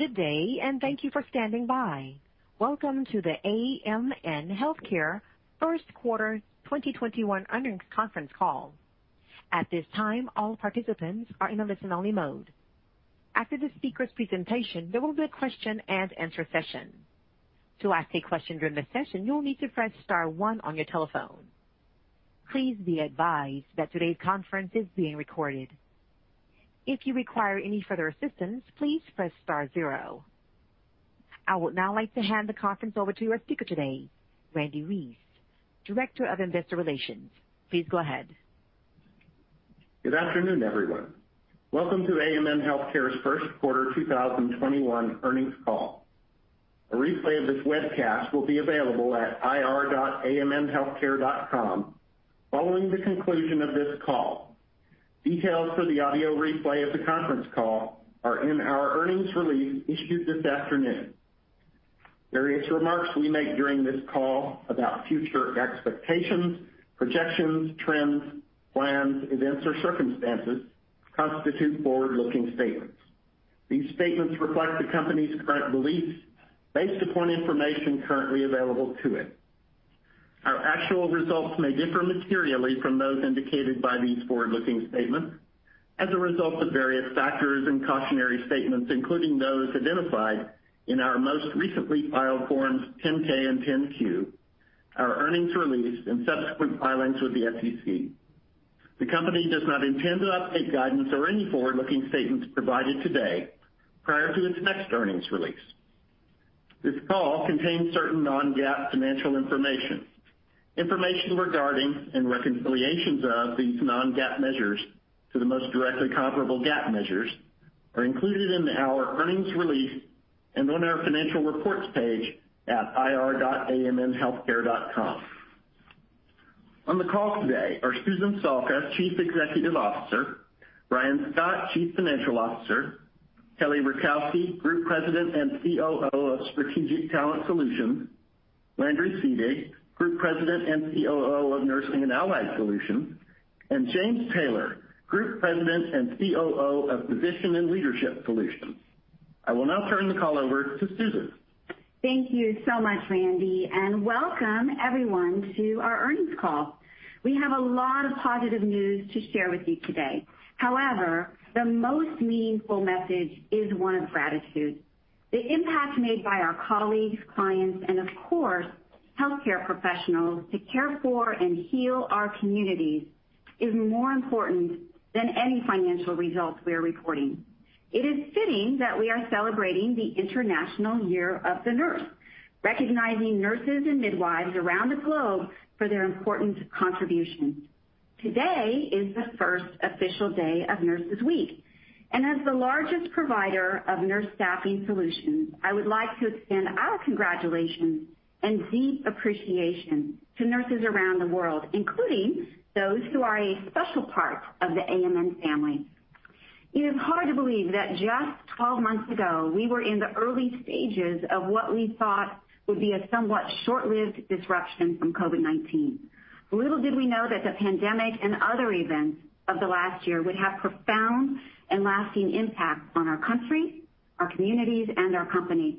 Good day, and thank you for standing by. Welcome to the AMN Healthcare First Quarter 2021 Earnings Conference Call. I would now like to hand the conference over to our speaker today, Randle Reece, Director of Investor Relations. Please go ahead. Good afternoon, everyone. Welcome to AMN Healthcare's First Quarter 2021 Earnings Call. A replay of this webcast will be available at ir.amnhealthcare.com following the conclusion of this call. Details for the audio replay of the conference call are in our earnings release issued this afternoon. Various remarks we make during this call about future expectations, projections, trends, plans, events, or circumstances constitute forward-looking statements. These statements reflect the company's current beliefs based upon information currently available to it. Our actual results may differ materially from those indicated by these forward-looking statements as a result of various factors and cautionary statements, including those identified in our most recently filed Forms 10-K and 10-Q, our earnings release, and subsequent filings with the SEC. The company does not intend to update guidance or any forward-looking statements provided today prior to its next earnings release. This call contains certain non-GAAP financial information. Information regarding and reconciliations of these non-GAAP measures to the most directly comparable GAAP measures are included in our earnings release and on our Financial Reports page at ir.amnhealthcare.com. On the call today are Susan Salka, Chief Executive Officer; Brian Scott, Chief Financial Officer; Kelly Rukowski, Group President and COO of Strategic Talent Solutions; Landry Seedig, Group President and COO of Nursing and Allied Solutions; and James Taylor, Group President and COO of Physician and Leadership Solutions. I will now turn the call over to Susan. Thank you so much, Randle Reece, welcome, everyone, to our earnings call. We have a lot of positive news to share with you today. However, the most meaningful message is one of gratitude. The impact made by our colleagues, clients, and of course, healthcare professionals to care for and heal our communities is more important than any financial results we are reporting. It is fitting that we are celebrating the International Year of the Nurse and the Midwife, recognizing nurses and midwives around the globe for their important contributions. Today is the first official day of National Nurses Week, as the largest provider of nurse staffing solutions, I would like to extend our congratulations and deep appreciation to nurses around the world, including those who are a special part of the AMN family. It is hard to believe that just 12 months ago, we were in the early stages of what we thought would be a somewhat short-lived disruption from COVID-19. Little did we know that the pandemic and other events of the last year would have profound and lasting impacts on our country, our communities, and our company.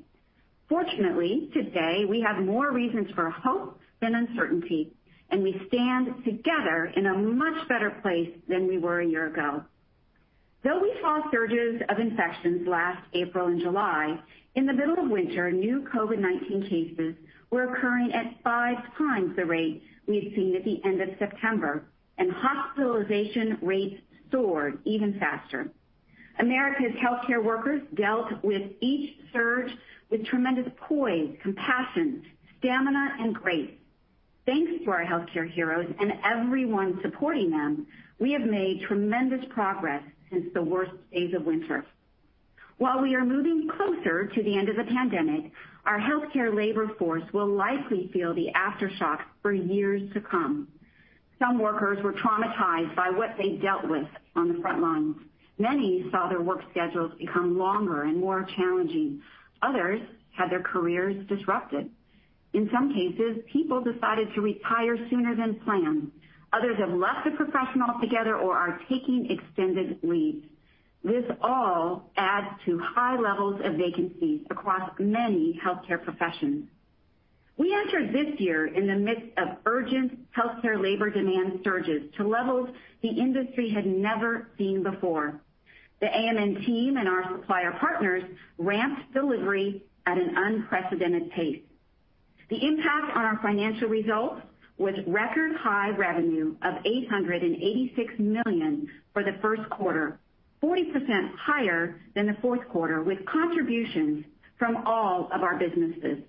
Fortunately, today, we have more reasons for hope than uncertainty, and we stand together in a much better place than we were a year ago. We saw surges of infections last April and July, in the middle of winter, new COVID-19 cases were occurring at 5x the rate we had seen at the end of September, and hospitalization rates soared even faster. America's healthcare workers dealt with each surge with tremendous poise, compassion, stamina, and grace. Thanks to our healthcare heroes and everyone supporting them, we have made tremendous progress since the worst days of winter. While we are moving closer to the end of the pandemic, our healthcare labor force will likely feel the aftershocks for years to come. Some workers were traumatized by what they dealt with on the front lines. Many saw their work schedules become longer and more challenging. Others had their careers disrupted. In some cases, people decided to retire sooner than planned. Others have left the profession altogether or are taking extended leaves. This all adds to high levels of vacancies across many healthcare professions. We entered this year in the midst of urgent healthcare labor demand surges to levels the industry had never seen before. The AMN team and our supplier partners ramped delivery at an unprecedented pace. The impact on our financial results was record-high revenue of $886 million for the first quarter, 40% higher than the fourth quarter, with contributions from all of our businesses.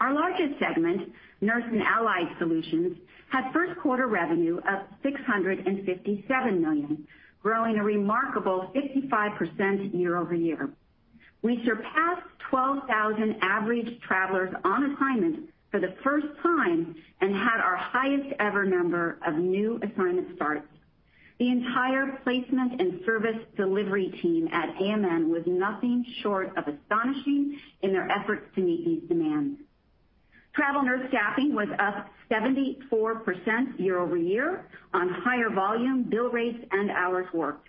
Our largest segment, Nurse and Allied Solutions, had first-quarter revenue of $657 million, growing a remarkable 55% year-over-year. We surpassed 12,000 average travelers on assignment for the first time and had our highest-ever number of new assignment starts. The entire placement and service delivery team at AMN was nothing short of astonishing in their efforts to meet these demands. Travel nurse staffing was up 74% year-over-year on higher volume, bill rates, and hours worked.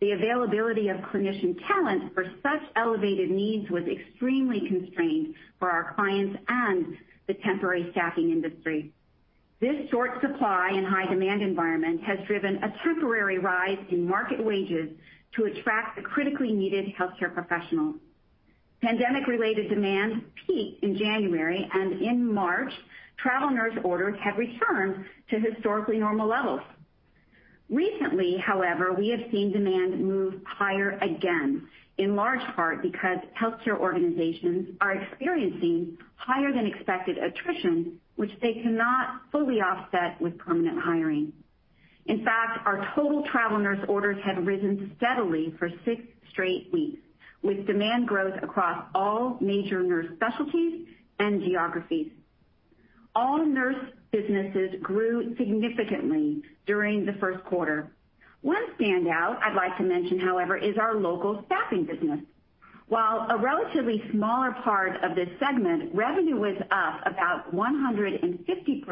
The availability of clinician talent for such elevated needs was extremely constrained for our clients and the temporary staffing industry. This short supply and high demand environment has driven a temporary rise in market wages to attract the critically needed healthcare professionals. Pandemic-related demand peaked in January, and in March, travel nurse orders have returned to historically normal levels. Recently, however, we have seen demand move higher again, in large part because healthcare organizations are experiencing higher than expected attrition, which they cannot fully offset with permanent hiring. In fact, our total travel nurse orders have risen steadily for six straight weeks, with demand growth across all major nurse specialties and geographies. All nurse businesses grew significantly during the first quarter. One standout I'd like to mention, however, is our local staffing business. While a relatively smaller part of this segment, revenue was up about 150%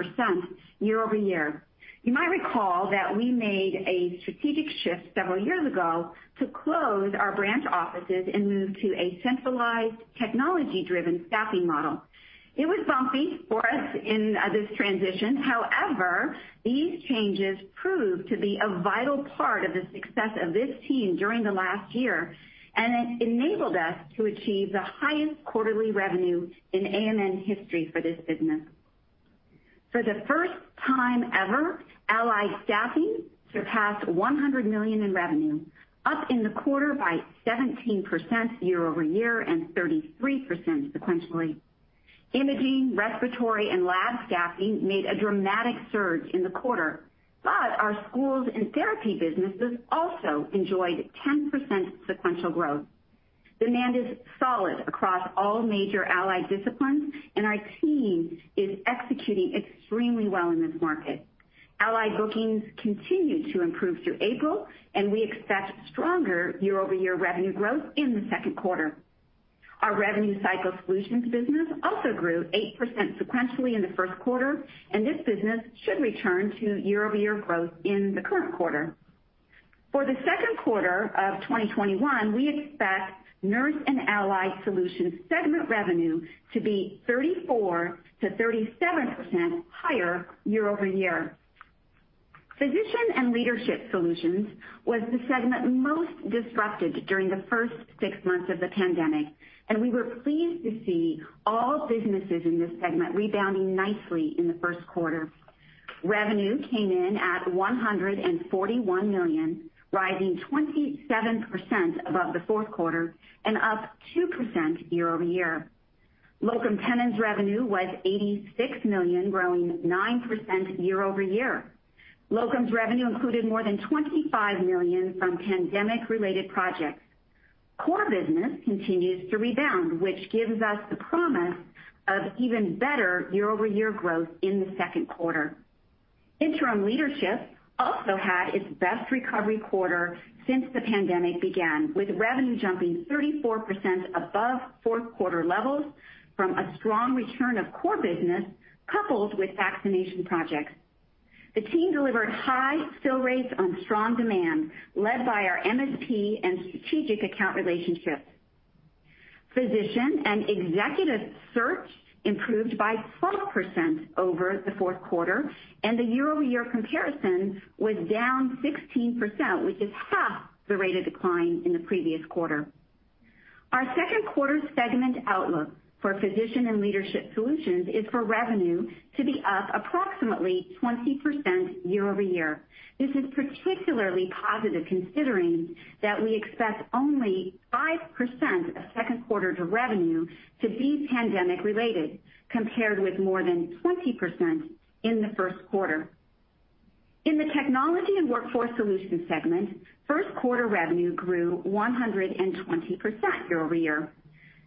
year-over-year. You might recall that we made a strategic shift several years ago to close our branch offices and move to a centralized, technology-driven staffing model. It was bumpy for us in this transition. However, these changes proved to be a vital part of the success of this team during the last year, and it enabled us to achieve the highest quarterly revenue in AMN history for this business. For the first time ever, allied staffing surpassed $100 million in revenue, up in the quarter by 17% year-over-year and 33% sequentially. Imaging, respiratory, and lab staffing made a dramatic surge in the quarter, but our schools and therapy businesses also enjoyed 10% sequential growth. Demand is solid across all major allied disciplines, and our team is executing extremely well in this market. Allied bookings continued to improve through April, and we expect stronger year-over-year revenue growth in the second quarter. Our revenue cycle solutions business also grew 8% sequentially in the first quarter, and this business should return to year-over-year growth in the current quarter. For the second quarter of 2021, we expect Nurse and Allied Solutions segment revenue to be 34%-37% higher year-over-year. Physician and Leadership Solutions was the segment most disrupted during the first six months of the pandemic, and we were pleased to see all businesses in this segment rebounding nicely in the first quarter. Revenue came in at $141 million, rising 27% above the fourth quarter and up 2% year-over-year. locum tenens revenue was $86 million, growing 9% year-over-year. Locums revenue included more than $25 million from pandemic-related projects. Core business continues to rebound, which gives us the promise of even better year-over-year growth in the second quarter. Interim leadership also had its best recovery quarter since the pandemic began, with revenue jumping 34% above fourth quarter levels from a strong return of core business coupled with vaccination projects. The team delivered high fill rates on strong demand, led by our MSP and strategic account relationships. The year-over-year comparison was down 16%, which is half the rate of decline in the previous quarter. Our second quarter segment outlook for Physician and Leadership Solutions is for revenue to be up approximately 20% year-over-year. This is particularly positive considering that we expect only 5% of second quarter revenue to be pandemic related, compared with more than 20% in the first quarter. In the Technology and Workforce Solutions segment, first quarter revenue grew 120% year-over-year.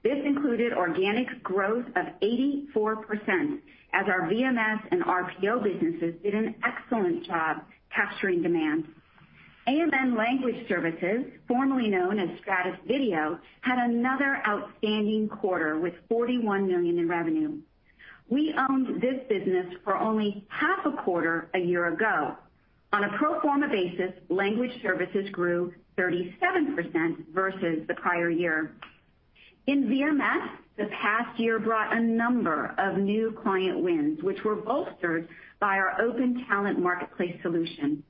This included organic growth of 84%, as our VMS and RPO businesses did an excellent job capturing demand. AMN Language Services, formerly known as Stratus Video, had another outstanding quarter with $41 million in revenue. We owned this business for only half a quarter a year ago. On a pro forma basis, Language Services grew 37% versus the prior year. In VMS, the past year brought a number of new client wins, which were bolstered by our Open Talent Marketplace solution.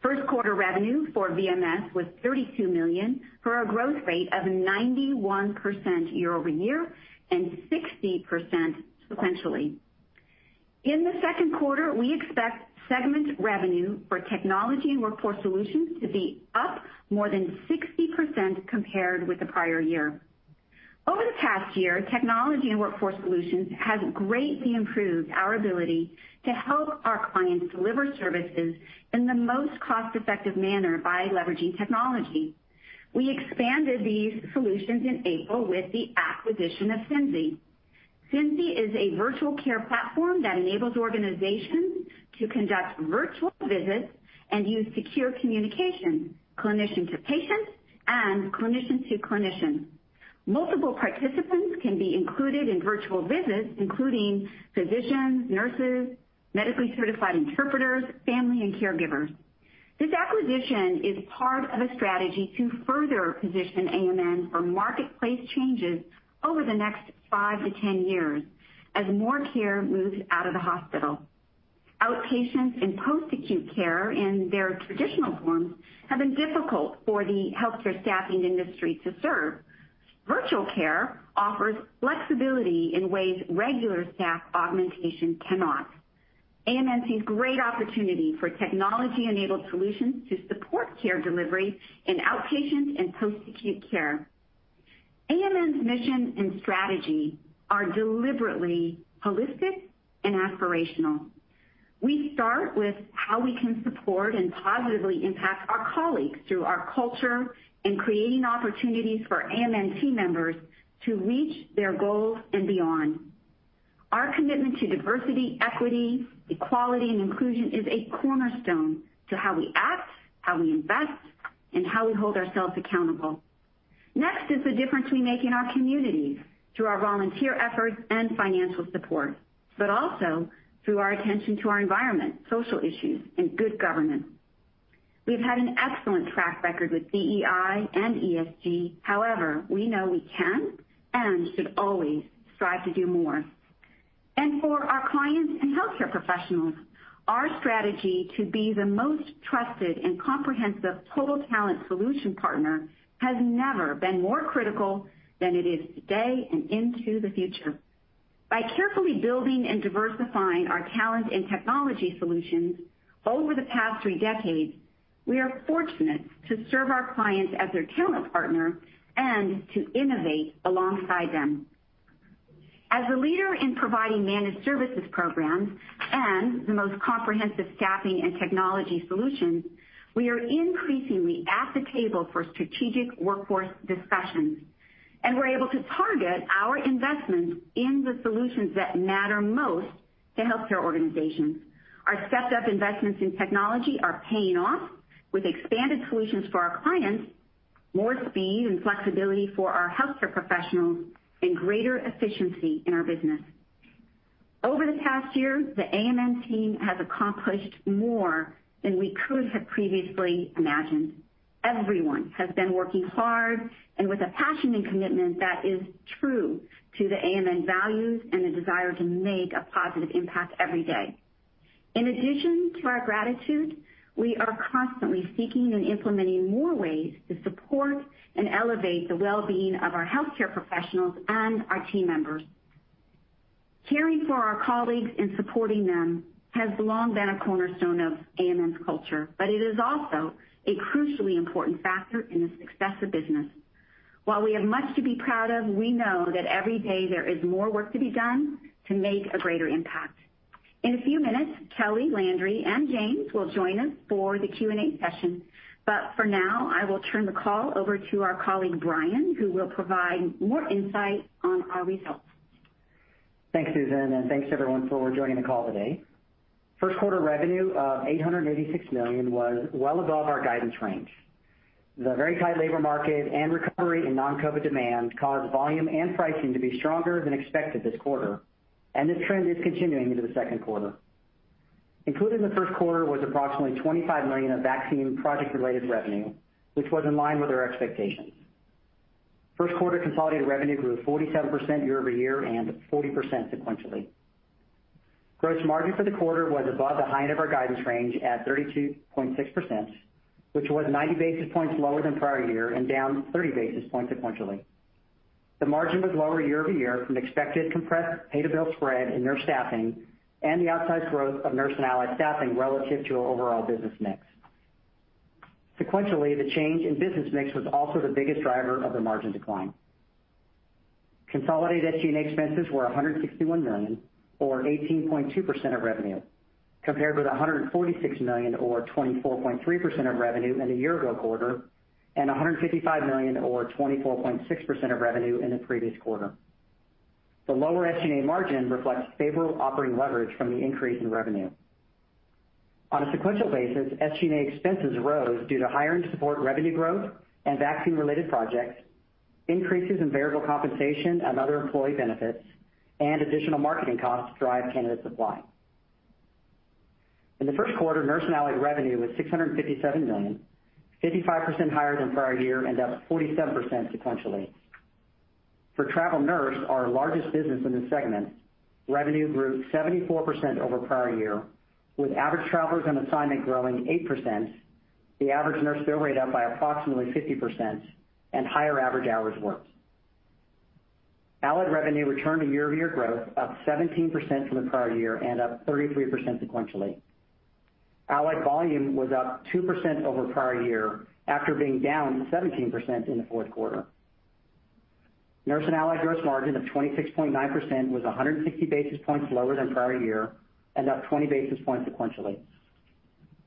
First quarter revenue for VMS was $32 million, for a growth rate of 91% year-over-year and 16% sequentially. In the second quarter, we expect segment revenue for Technology and Workforce Solutions to be up more than 60% compared with the prior year. Over the past year, Technology and Workforce Solutions has greatly improved our ability to help our clients deliver services in the most cost-effective manner by leveraging technology. We expanded these solutions in April with the acquisition of Synzi. Synzi is a virtual care platform that enables organizations to conduct virtual visits and use secure communication, clinician to patient and clinician-to-clinician. Multiple participants can be included in virtual visits, including physicians, nurses, medically certified interpreters, family, and caregivers. This acquisition is part of a strategy to further position AMN for marketplace changes over the next five to 10 years, as more care moves out of the hospital. Outpatients and post-acute care in their traditional forms have been difficult for the healthcare staffing industry to serve. Virtual care offers flexibility in ways regular staff augmentation cannot. AMN sees great opportunity for technology-enabled solutions to support care delivery in outpatients and post-acute care. AMN's mission and strategy are deliberately holistic and aspirational. We start with how we can support and positively impact our colleagues through our culture and creating opportunities for AMN team members to reach their goals and beyond. Our commitment to diversity, equity, equality, and inclusion is a cornerstone to how we act, how we invest, and how we hold ourselves accountable. Next is the difference we make in our communities, through our volunteer efforts and financial support, but also through our attention to our environment, social issues, and good governance. We've had an excellent track record with DEI and ESG. However, we know we can and should always strive to do more. For our clients and healthcare professionals, our strategy to be the most trusted and comprehensive total talent solution partner has never been more critical than it is today and into the future. By carefully building and diversifying our talent and technology solutions over the past three decades, we are fortunate to serve our clients as their talent partner and to innovate alongside them. As a leader in providing managed services programs and the most comprehensive staffing and technology solutions, we are increasingly at the table for strategic workforce discussions. We're able to target our investments in the solutions that matter most to healthcare organizations. Our stepped-up investments in technology are paying off with expanded solutions for our clients, more speed and flexibility for our healthcare professionals, and greater efficiency in our business. Over the past year, the AMN team has accomplished more than we could have previously imagined. Everyone has been working hard and with a passion and commitment that is true to the AMN values and the desire to make a positive impact every day. In addition to our gratitude, we are constantly seeking and implementing more ways to support and elevate the well-being of our healthcare professionals and our team members. Caring for our colleagues and supporting them has long been a cornerstone of AMN's culture, but it is also a crucially important factor in the success of business. While we have much to be proud of, we know that every day there is more work to be done to make a greater impact. In a few minutes, Kelly, Landry, and James will join us for the Q&A session. For now, I will turn the call over to our colleague, Brian, who will provide more insight on our results. Thanks, Susan, and thanks, everyone, for joining the call today. First quarter revenue of $886 million was well above our guidance range. The very tight labor market and recovery in non-COVID demand caused volume and pricing to be stronger than expected this quarter, and this trend is continuing into the second quarter. Included in the first quarter was approximately $25 million of vaccine project-related revenue, which was in line with our expectations. First quarter consolidated revenue grew 47% year-over-year and 40% sequentially. Gross margin for the quarter was above the high end of our guidance range at 32.6%, which was 90 basis points lower than prior year and down 30 basis points sequentially. The margin was lower year-over-year from expected compressed pay-to-bill spread in nurse staffing and the outsized growth of nurse and allied staffing relative to our overall business mix. Sequentially, the change in business mix was also the biggest driver of the margin decline. Consolidated SG&A expenses were $161 million or 18.2% of revenue, compared with $146 million or 24.3% of revenue in the year-ago quarter, and $155 million or 24.6% of revenue in the previous quarter. The lower SG&A margin reflects favorable operating leverage from the increase in revenue. On a sequential basis, SG&A expenses rose due to higher end support revenue growth and vaccine-related projects, increases in variable compensation and other employee benefits, and additional marketing costs to drive candidate supply. In the first quarter, Nurse and Allied Solutions revenue was $657 million, 55% higher than prior year and up 47% sequentially. For travel nurse, our largest business in this segment, revenue grew 74% over prior year, with average travelers on assignment growing 8%, the average nurse bill rate up by approximately 50%, and higher average hours worked. Allied revenue returned to year-over-year growth, up 17% from the prior year and up 33% sequentially. Allied volume was up 2% over prior year after being down 17% in the fourth quarter. Nurse and Allied gross margin of 26.9% was 160 basis points lower than prior year and up 20 basis points sequentially.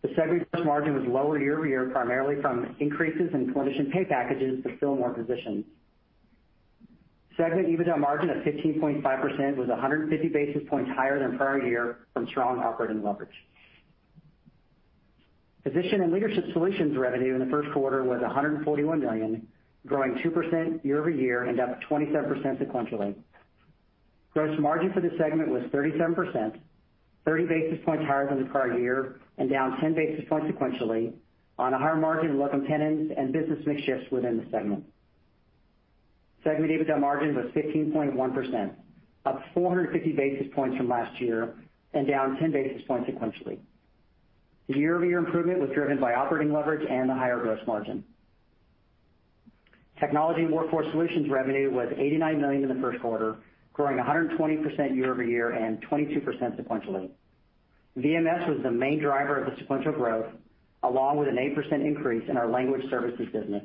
The segment gross margin was lower year-over-year, primarily from increases in clinician pay packages to fill more positions. Segment EBITDA margin of 15.5% was 150 basis points higher than prior year from strong operating leverage. Physician and Leadership Solutions revenue in the first quarter was $141 million, growing 2% year-over-year and up 27% sequentially. Gross margin for this segment was 37%, 30 basis points higher than the prior year and down 10 basis points sequentially on a higher margin of locum tenens and business mix shifts within the segment. Segment EBITDA margin was 15.1%, up 450 basis points from last year and down 10 basis points sequentially. The year-over-year improvement was driven by operating leverage and a higher gross margin. Technology and Workforce Solutions revenue was $89 million in the first quarter, growing 120% year-over-year and 22% sequentially. VMS was the main driver of the sequential growth, along with an 8% increase in our language services business.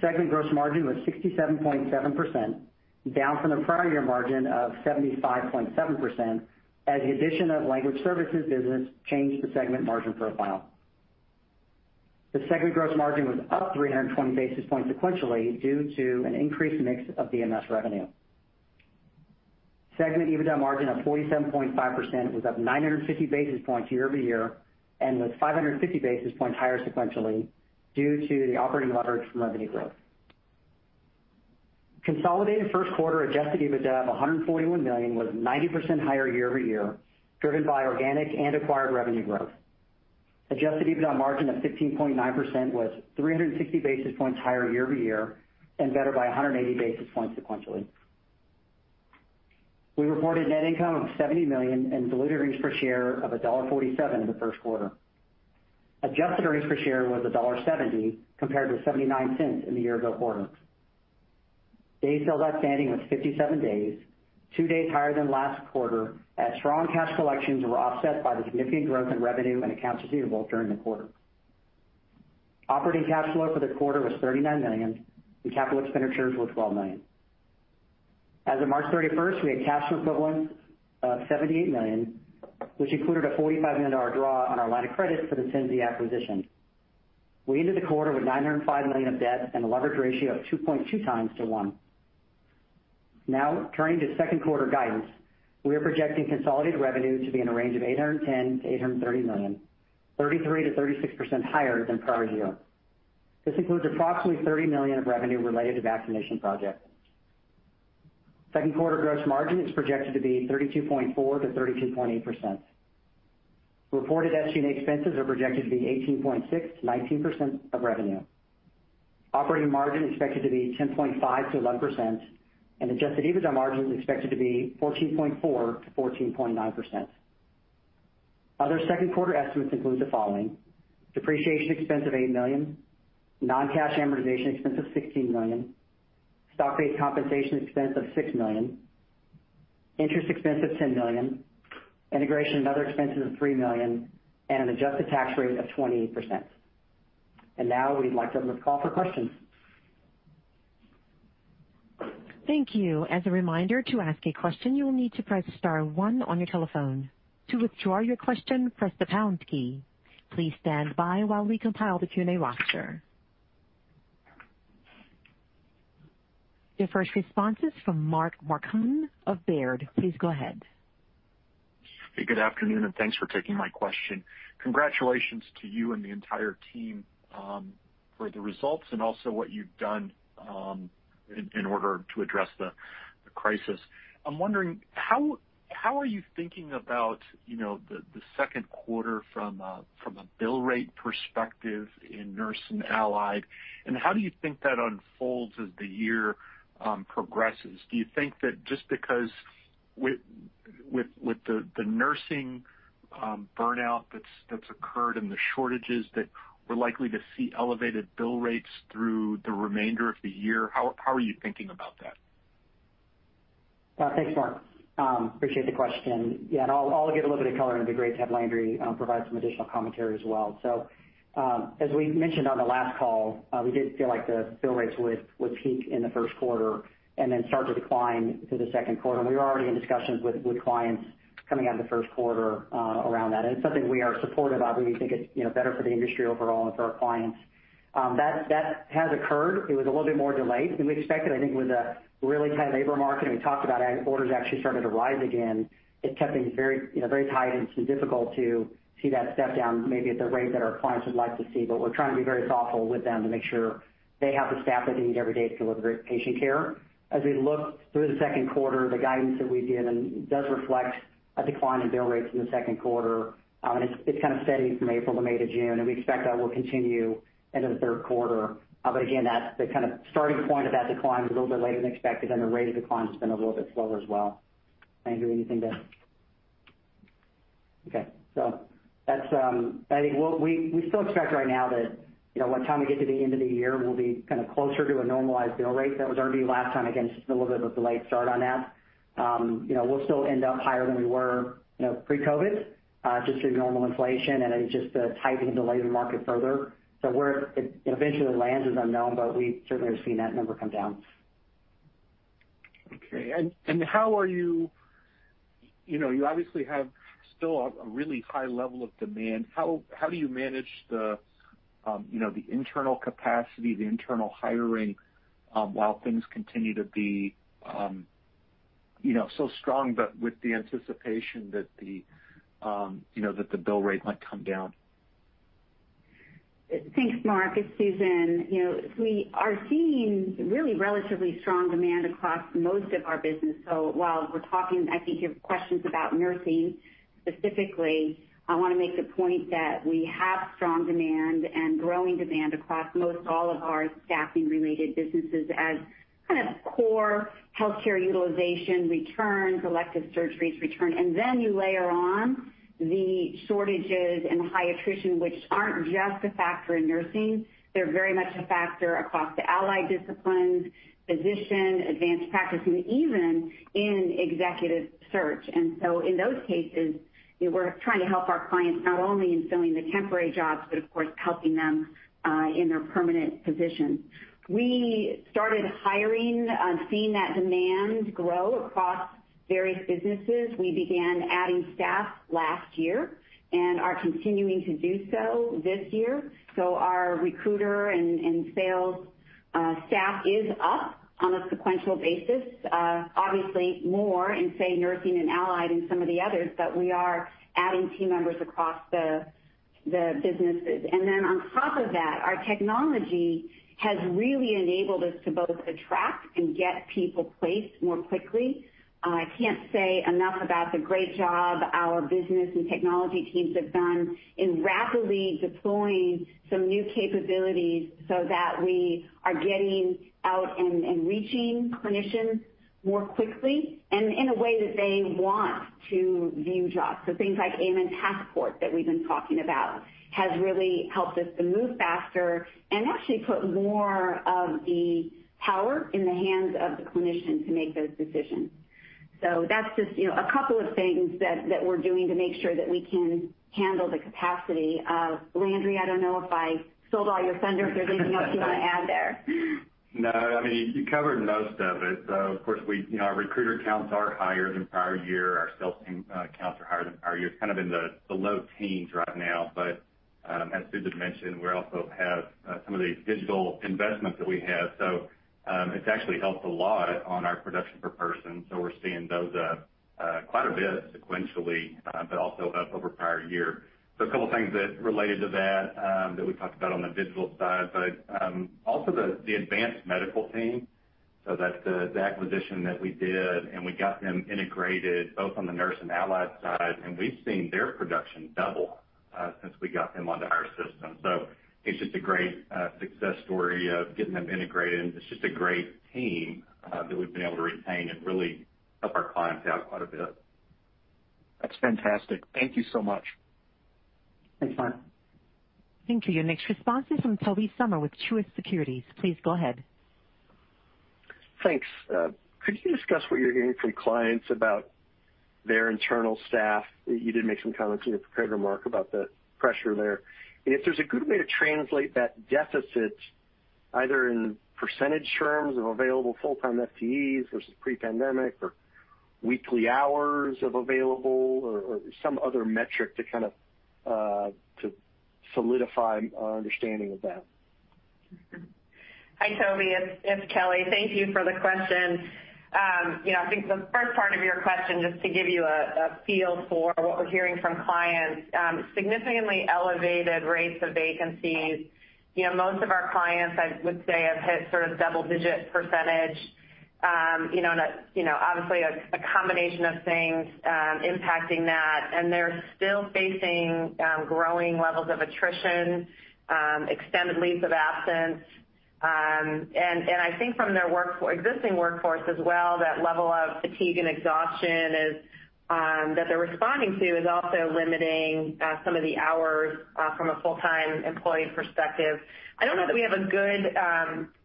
Segment gross margin was 67.7%, down from the prior year margin of 75.7%, as the addition of language services business changed the segment margin profile. The segment gross margin was up 320 basis points sequentially due to an increased mix of VMS revenue. Segment EBITDA margin of 47.5% was up 950 basis points year-over-year and was 550 basis points higher sequentially due to the operating leverage from revenue growth. Consolidated first quarter adjusted EBITDA of $141 million was 90% higher year-over-year, driven by organic and acquired revenue growth. Adjusted EBITDA margin of 15.9% was 360 basis points higher year-over-year and better by 180 basis points sequentially. We reported net income of $70 million and diluted earnings per share of $1.47 in the first quarter. Adjusted earnings per share was $1.70, compared to $0.79 in the year-ago quarter. Days sales outstanding was 57 days, two days higher than last quarter as strong cash collections were offset by the significant growth in revenue and accounts receivable during the quarter. Operating cash flow for the quarter was $39 million, and capital expenditures were $12 million. As of March 31st, we had cash equivalents of $78 million, which included a $45 million draw on our line of credit for the Synzi acquisition. We ended the quarter with $905 million of debt and a leverage ratio of 2.2x to one. Turning to second quarter guidance. We are projecting consolidated revenue to be in a range of $810 million-$830 million, 33%-36% higher than prior year. This includes approximately $30 million of revenue related to vaccination projects. Second quarter gross margin is projected to be 32.4%-32.8%. Reported SG&A expenses are projected to be 18.6%-19% of revenue. Operating margin expected to be 10.5%-11%. Adjusted EBITDA margin is expected to be 14.4%-14.9%. Other second quarter estimates include the following: depreciation expense of $8 million, non-cash amortization expense of $16 million, stock-based compensation expense of $6 million, interest expense of $10 million, integration and other expenses of $3 million, and an adjusted tax rate of 28%. Now we'd like to open the call for questions. Thank you. As a reminder, to ask a question, you will need to press star one on your telephone. To withdraw your question, press the pound key. Please stand by while we compile the Q&A roster. The first response is from Mark Marcon of Baird. Please go ahead. Hey, good afternoon, and thanks for taking my question. Congratulations to you and the entire team for the results and also what you've done in order to address the crisis. I'm wondering, how are you thinking about the second quarter from a bill rate perspective in Nurse and Allied, and how do you think that unfolds as the year progresses? Do you think that just because with the nursing burnout that's occurred and the shortages, that we're likely to see elevated bill rates through the remainder of the year? How are you thinking about that? Thanks, Mark. Appreciate the question. I'll give a little bit of color, and it'd be great to have Landry provide some additional commentary as well. As we mentioned on the last call, we did feel like the bill rates would peak in the first quarter and then start to decline through the second quarter. We were already in discussions with clients coming out of the first quarter around that. It's something we are supportive of. We think it's better for the industry overall and for our clients. That has occurred. It was a little bit more delayed than we expected. I think with a really tight labor market, and we talked about orders actually starting to rise again, it kept things very tight and difficult to see that step down maybe at the rate that our clients would like to see. We're trying to be very thoughtful with them to make sure they have the staff they need every day to deliver great patient care. As we look through the second quarter, the guidance that we give does reflect a decline in bill rates in the second quarter. It's kind of steady from April to May to June, and we expect that will continue into the third quarter. Again, the kind of starting point of that decline was a little bit later than expected, and the rate of decline has been a little bit slower as well. Okay. I think we still expect right now that by the time we get to the end of the year, we'll be kind of closer to a normalized bill rate. That was our view last time. Again, just a little bit of a delayed start on that. We'll still end up higher than we were pre-COVID, just through normal inflation and just the tightening of the labor market further. Where it eventually lands is unknown, but we certainly are seeing that number come down. Okay. You obviously have still a really high level of demand. How do you manage the internal capacity, the internal hiring, while things continue to be so strong but with the anticipation that the bill rate might come down? Thanks, Mark. It's Susan. We are seeing really relatively strong demand across most of our business. While we're talking, I think your question's about nursing specifically, I want to make the point that we have strong demand and growing demand across most all of our staffing-related businesses as kind of core healthcare utilization returns, elective surgeries return, then you layer on the shortages and high attrition, which aren't just a factor in nursing. They're very much a factor across the allied disciplines, physician, advanced practice, and even in executive search. In those cases, we're trying to help our clients not only in filling the temporary jobs, but of course, helping them in their permanent positions. We started hiring, seeing that demand grow across various businesses. We began adding staff last year and are continuing to do so this year. Our recruiter and sales staff is up on a sequential basis. Obviously more in, say, nursing and allied than some of the others, but we are adding team members across the businesses. On top of that, our technology has really enabled us to both attract and get people placed more quickly. I can't say enough about the great job our business and technology teams have done in rapidly deploying some new capabilities so that we are getting out and reaching clinicians more quickly and in a way that they want to view jobs. Things like AMN Passport that we've been talking about has really helped us to move faster and actually put more of the power in the hands of the clinician to make those decisions. That's just a couple of things that we're doing to make sure that we can handle the capacity. Landry, I don't know if I sold all your thunder, if there's anything else you want to add there? No, you covered most of it. Of course, our recruiter counts are higher than prior year. Our sales team counts are higher than prior year. It's kind of in the low teens right now, but as Susan mentioned, we also have some of these digital investments that we have. It's actually helped a lot on our production per person. We're seeing those up quite a bit sequentially but also up over prior year. A couple things that related to that that we talked about on the digital side, but also the Advanced Medical team. That's the acquisition that we did, and we got them integrated both on the nurse and allied side, and we've seen their production double since we got them onto our system. It's just a great success story of getting them integrated, and it's just a great team that we've been able to retain and really help our clients out quite a bit. That's fantastic. Thank you so much. Thanks, Mark. Thank you. Your next response is from Tobey Sommer with Truist Securities. Please go ahead. Thanks. Could you discuss what you're hearing from clients about their internal staff? You did make some comments in the prepared remark about the pressure there, and if there's a good way to translate that deficit either in percentage terms of available full-time FTEs versus pre-pandemic or weekly hours of available or some other metric to kind of solidify our understanding of that? Hi, Tobey. It's Kelly. Thank you for the question. I think the first part of your question, just to give you a feel for what we're hearing from clients, significantly elevated rates of vacancies. Most of our clients, I would say, have hit sort of double-digit percentage. Obviously, a combination of things impacting that, they're still facing growing levels of attrition, extended leaves of absence. I think from their existing workforce as well, that level of fatigue and exhaustion that they're responding to is also limiting some of the hours from a full-time employee perspective. I don't know that we have a good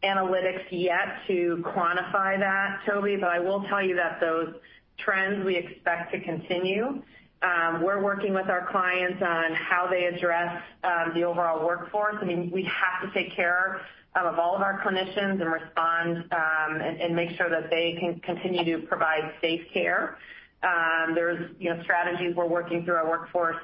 analytics yet to quantify that, Tobey, but I will tell you that those trends we expect to continue. We're working with our clients on how they address the overall workforce. We have to take care of all of our clinicians and respond and make sure that they can continue to provide safe care. There's strategies we're working through our workforce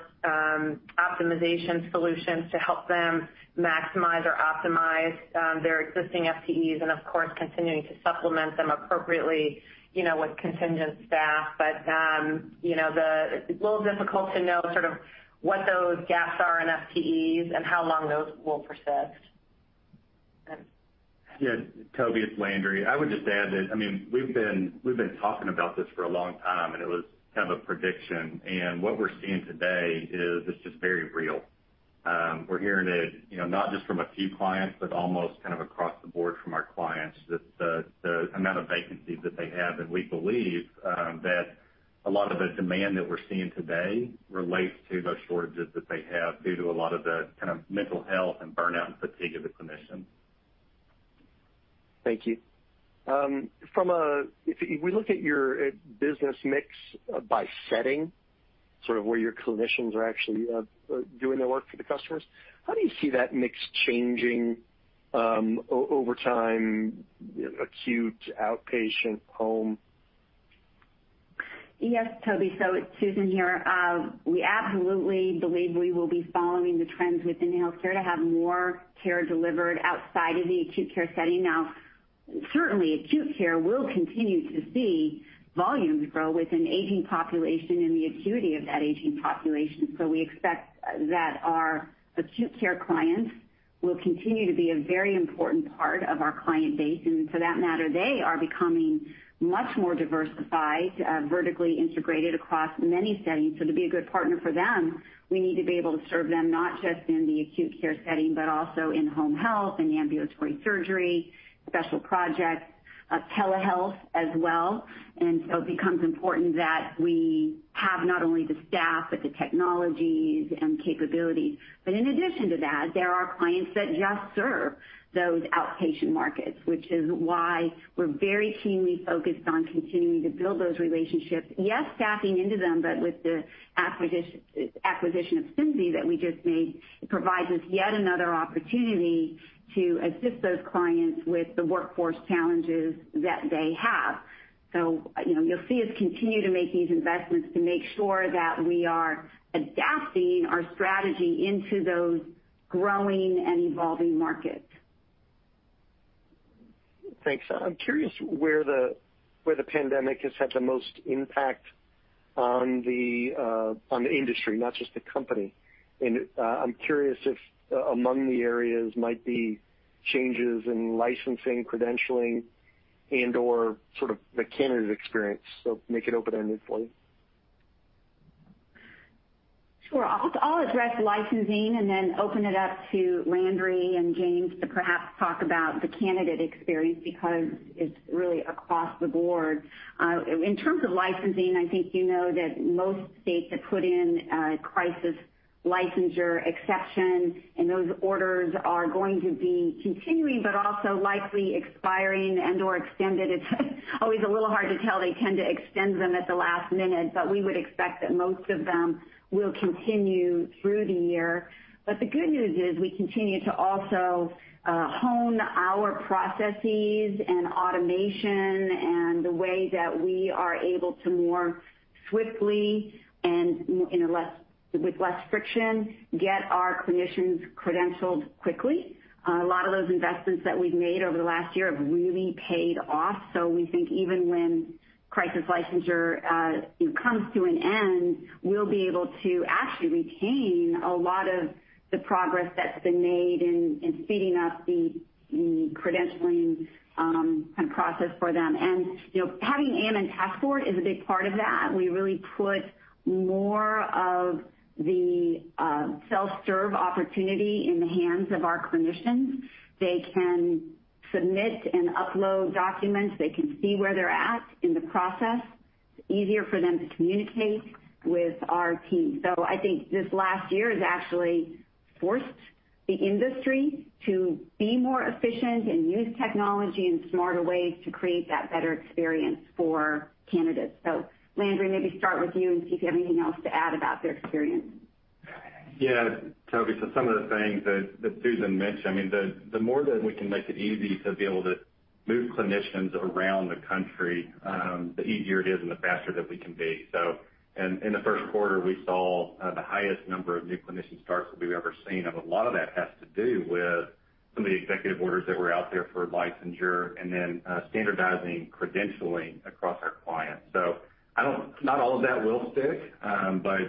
optimization solutions to help them maximize or optimize their existing FTEs and, of course, continuing to supplement them appropriately with contingent staff. It's a little difficult to know sort of what those gaps are in FTEs and how long those will persist. Yeah. Tobey, it's Landry. I would just add that we've been talking about this for a long time. It was kind of a prediction. What we're seeing today is it's just very real. We're hearing it not just from a few clients, but almost kind of across the board from our clients, the amount of vacancies that they have. We believe that a lot of the demand that we're seeing today relates to those shortages that they have due to a lot of the kind of mental health and burnout and fatigue of the clinicians. Thank you. If we look at your business mix by setting, sort of where your clinicians are actually doing their work for the customers. How do you see that mix changing over time, acute to outpatient home? Yes, Tobey. It's Susan here. We absolutely believe we will be following the trends within healthcare to have more care delivered outside of the acute care setting. Certainly, acute care will continue to see volumes grow with an aging population and the acuity of that aging population. We expect that our acute care clients will continue to be a very important part of our client base. For that matter, they are becoming much more diversified, vertically integrated across many settings. To be a good partner for them, we need to be able to serve them, not just in the acute care setting, but also in home health, in the ambulatory surgery, special projects, telehealth as well. It becomes important that we have not only the staff but the technologies and capabilities. In addition to that, there are clients that just serve those outpatient markets, which is why we're very keenly focused on continuing to build those relationships. Yes, staffing into them, but with the acquisition of Simplicity that we just made, it provides us yet another opportunity to assist those clients with the workforce challenges that they have. You'll see us continue to make these investments to make sure that we are adapting our strategy into those growing and evolving markets. Thanks. I'm curious where the pandemic has had the most impact on the industry, not just the company. I'm curious if among the areas might be changes in licensing, credentialing, and/or sort of the candidate experience. Make it open-ended, please. Sure. I'll address licensing and then open it up to Landry and James to perhaps talk about the candidate experience because it's really across the board. In terms of licensing, I think you know that most states have put in a crisis licensure exception. Those orders are going to be continuing but also likely expiring and/or extended. It's always a little hard to tell. They tend to extend them at the last minute. We would expect that most of them will continue through the year. The good news is we continue to also hone our processes and automation and the way that we are able to more swiftly and with less friction, get our clinicians credentialed quickly. A lot of those investments that we've made over the last year have really paid off. We think even when crisis licensure comes to an end, we'll be able to actually retain a lot of the progress that's been made in speeding up the credentialing kind of process for them. Having AMN TaskForce is a big part of that. We really put more of the self-serve opportunity in the hands of our clinicians. They can submit and upload documents. They can see where they're at in the process. It's easier for them to communicate with our team. I think this last year has actually forced the industry to be more efficient and use technology in smarter ways to create that better experience for candidates. Landry, maybe start with you and see if you have anything else to add about their experience. Yeah. Tobey, some of the things that Susan mentioned, I mean, the more that we can make it easy to be able to move clinicians around the country, the easier it is and the faster that we can be. In the first quarter, we saw the highest number of new clinician starts that we've ever seen, and a lot of that has to do with some of the executive orders that were out there for licensure and then standardizing credentialing across our clients. Not all of that will stick, but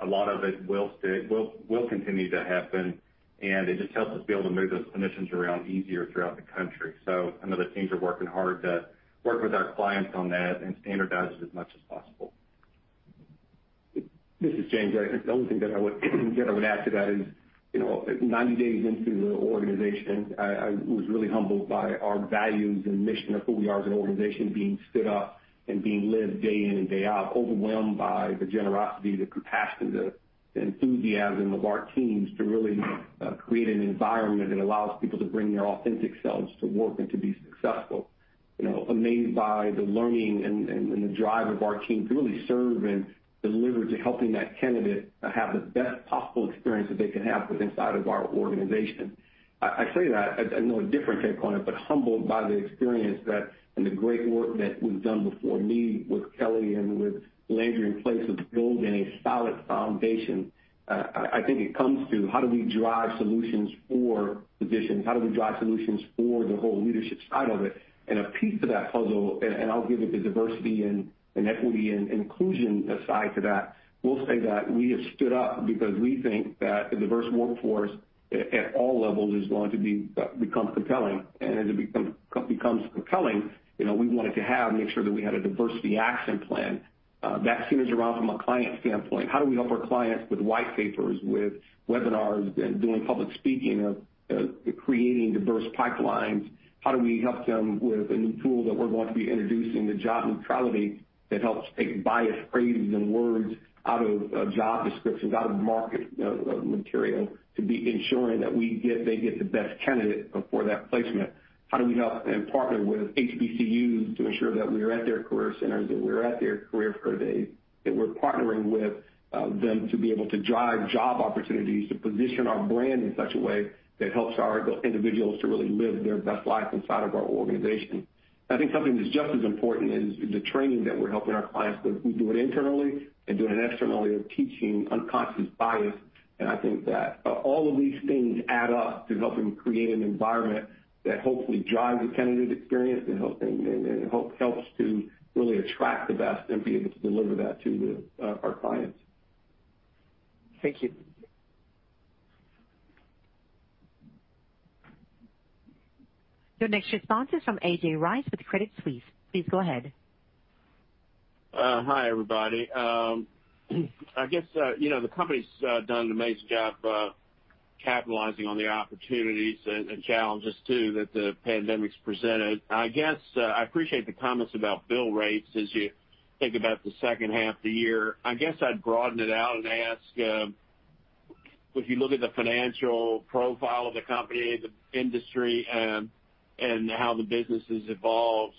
a lot of it will continue to happen, and it just helps us be able to move those clinicians around easier throughout the country. Some of the teams are working hard to work with our clients on that and standardize it as much as possible. This is James. The only thing that I would add to that is, 90 days into the organization, I was really humbled by our values and mission of who we are as an organization being stood up and being lived day in and day out, overwhelmed by the generosity, the compassion, the enthusiasm of our teams to really create an environment that allows people to bring their authentic selves to work and to be successful. Amazed by the learning and the drive of our team to really serve and deliver to helping that candidate to have the best possible experience that they can have with inside of our organization. I say that, I know a different take on it, humbled by the experience that and the great work that was done before me with Kelly and with Landry in place of building a solid foundation. I think it comes to how do we drive solutions for physicians? How do we drive solutions for the whole leadership side of it? A piece of that puzzle, and I'll give it the Diversity, Equity, and Inclusion side to that, will say that we have stood up because we think that a diverse workforce at all levels is going to become compelling. As it becomes compelling, we wanted to make sure that we had a Diversity Action Plan. That centers around from a client standpoint, how do we help our clients with white papers, with webinars, and doing public speaking of creating diverse pipelines. How do we help them with a new tool that we're going to be introducing, the job neutrality, that helps take biased phrases and words out of job descriptions, out of market material, to be ensuring that they get the best candidate for that placement. How do we help and partner with HBCUs to ensure that we are at their career centers, that we're at their career fair days, that we're partnering with them to be able to drive job opportunities to position our brand in such a way that helps our individuals to really live their best life inside of our organization? I think something that's just as important is the training that we're helping our clients with. We do it internally and doing it externally of teaching unconscious bias, and I think that all of these things add up to helping create an environment that hopefully drives a candidate experience and hope helps to really attract the best and be able to deliver that to our clients. Thank you. Your next response is from A.J. Rice with Credit Suisse. Please go ahead. Hi, everybody. I guess the company's done an amazing job capitalizing on the opportunities and challenges too that the pandemic's presented. I appreciate the comments about bill rates as you think about the second half of the year. I guess I'd broaden it out and ask, if you look at the financial profile of the company, the industry, and how the business has evolved.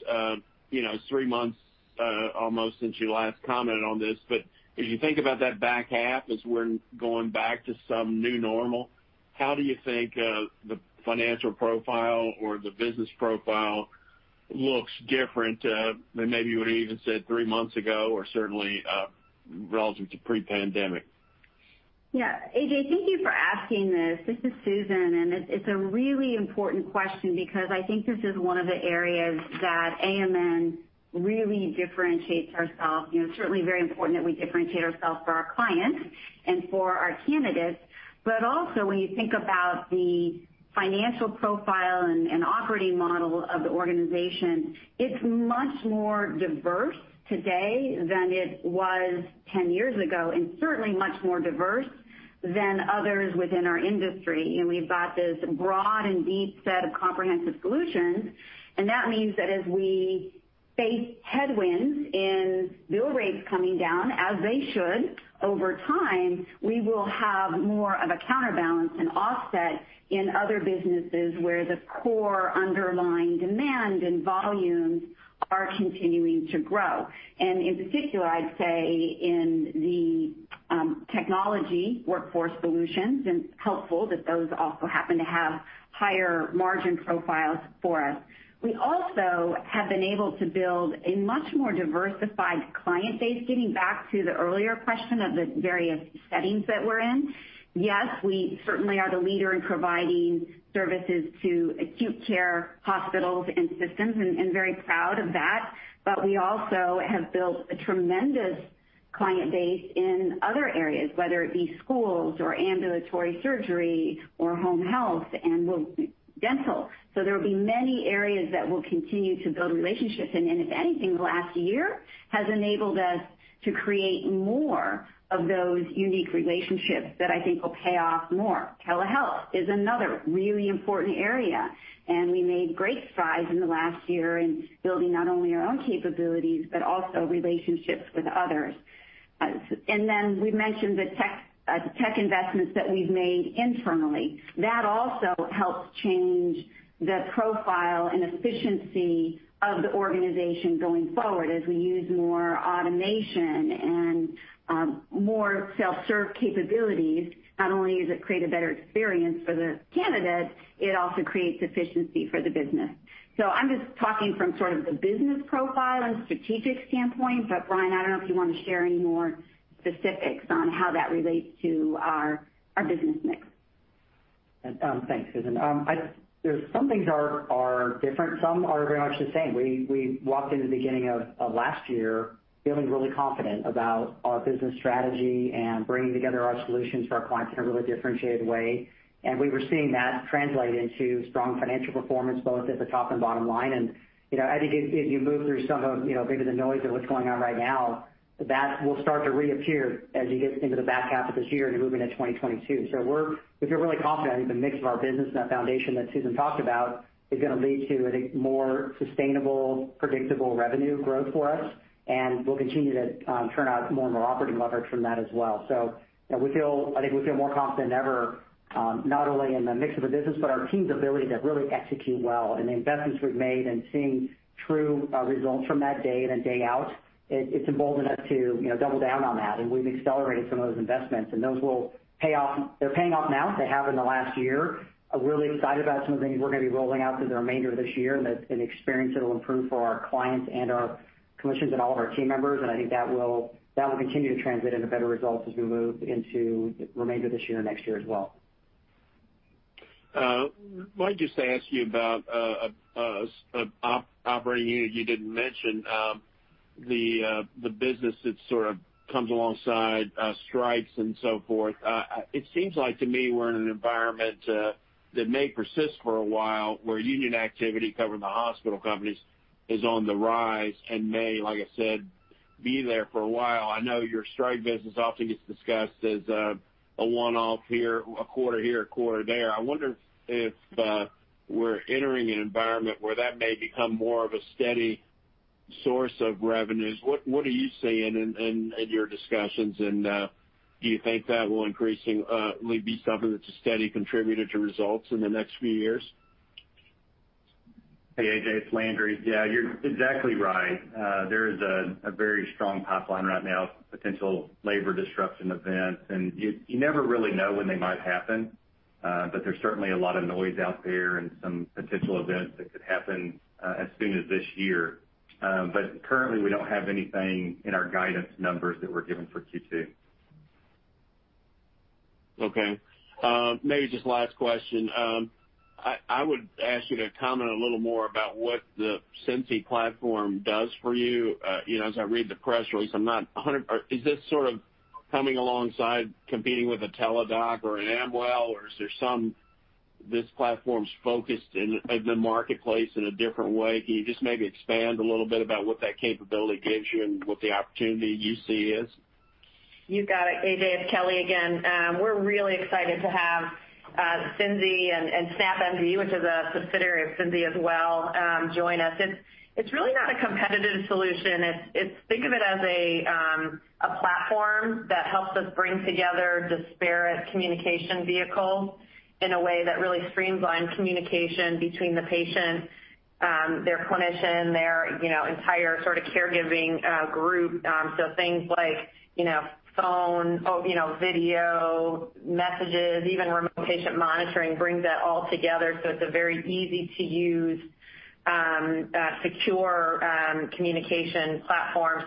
It's three months, almost, since you last commented on this. As you think about that back half, as we're going back to some new normal, how do you think the financial profile or the business profile looks different than maybe what you even said three months ago, or certainly, relative to pre-pandemic? Yeah. A.J, thank you for asking this. This is Susan, and it's a really important question because I think this is one of the areas that AMN really differentiates ourselves. Certainly very important that we differentiate ourselves for our clients and for our candidates. Also, when you think about the financial profile and operating model of the organization, it's much more diverse today than it was 10 years ago, and certainly much more diverse than others within our industry. We've got this broad and deep set of comprehensive solutions, that means that as we face headwinds in bill rates coming down, as they should, over time, we will have more of a counterbalance and offset in other businesses where the core underlying demand and volumes are continuing to grow. In particular, I'd say in the Technology and Workforce Solutions, and it's helpful that those also happen to have higher margin profiles for us. We also have been able to build a much more diversified client base, getting back to the earlier question of the various settings that we're in. Yes, we certainly are the leader in providing services to acute care hospitals and systems, and very proud of that. We also have built a tremendous client base in other areas, whether it be schools or ambulatory surgery or home health and dental. There will be many areas that we'll continue to build relationships in. If anything, the last year has enabled us to create more of those unique relationships that I think will pay off more. Telehealth is another really important area. We made great strides in the last year in building not only our own capabilities, but also relationships with others. We've mentioned the tech investments that we've made internally. That also helps change the profile and efficiency of the organization going forward as we use more automation and more self-serve capabilities. Not only does it create a better experience for the candidate, it also creates efficiency for the business. I'm just talking from sort of the business profile and strategic standpoint. Brian, I don't know if you want to share any more specifics on how that relates to our business mix. Thanks, Susan. Some things are different, some are very much the same. We walked into the beginning of last year feeling really confident about our business strategy and bringing together our solutions for our clients in a really differentiated way. We were seeing that translate into strong financial performance, both at the top and bottom line. I think as you move through some of maybe the noise of what's going on right now, that will start to reappear as you get into the back half of this year and moving into 2022. We feel really confident the mix of our business and that foundation that Susan talked about is going to lead to, I think, more sustainable, predictable revenue growth for us, and we'll continue to churn out more and more operating leverage from that as well. I think we feel more confident than ever, not only in the mix of the business, but our team's ability to really execute well and the investments we've made and seeing true results from that day in and day out. It's emboldened us to double down on that, and we've accelerated some of those investments, and they're paying off now. They have in the last year. We're really excited about some of the things we're going to be rolling out through the remainder of this year, and the experience it'll improve for our clients and our clinicians and all of our team members. I think that will continue to translate into better results as we move into the remainder of this year, next year as well. Might just ask you about operating. You didn't mention the business that sort of comes alongside strikes and so forth. It seems like to me, we're in an environment that may persist for a while where union activity covering the hospital companies is on the rise and may, like I said, be there for a while. I know your strike business often gets discussed as a one-off here, a quarter here, a quarter there. I wonder if we're entering an environment where that may become more of a steady source of revenues. What are you seeing in your discussions, and do you think that will increasingly be something that's a steady contributor to results in the next few years? Hey, A.J., it's Landry. Yeah, you're exactly right. There is a very strong pipeline right now of potential labor disruption events, and you never really know when they might happen. There's certainly a lot of noise out there and some potential events that could happen as soon as this year. Currently, we don't have anything in our guidance numbers that were given for Q2. Okay. Maybe just last question. I would ask you to comment a little more about what the Synzi platform does for you. As I read the press release, is this sort of coming alongside competing with a Teladoc or an Amwell, or is there this platform's focused in the marketplace in a different way? Can you just maybe expand a little bit about what that capability gives you and what the opportunity you see is? You got it, A.J. It's Kelly again. We're really excited to have Synzi and SnapMD, which is a subsidiary of Synzi as well, join us. It's really not a competitive solution. Think of it as a platform that helps us bring together disparate communication vehicles in a way that really streamlines communication between the patient, their clinician, their entire sort of caregiving group. Things like phone, video, messages, even remote patient monitoring, brings that all together. It's a very easy-to-use, secure communication platform.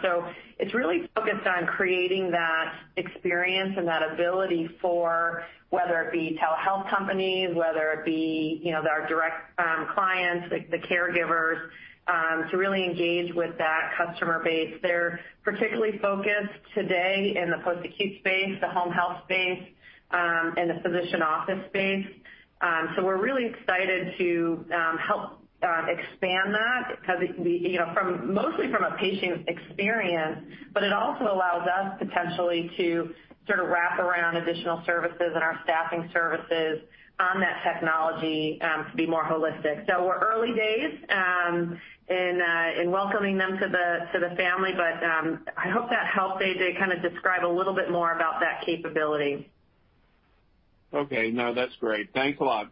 It's really focused on creating that experience and that ability for, whether it be telehealth companies, whether it be our direct clients, like the caregivers, to really engage with that customer base. They're particularly focused today in the post-acute space, the home health space, and the physician office space. We're really excited to help expand that mostly from a patient experience, but it also allows us potentially to sort of wrap around additional services and our staffing services on that technology to be more holistic. We're early days in welcoming them to the family. I hope that helps, A.J., kind of describe a little bit more about that capability. Okay. No, that's great. Thanks a lot.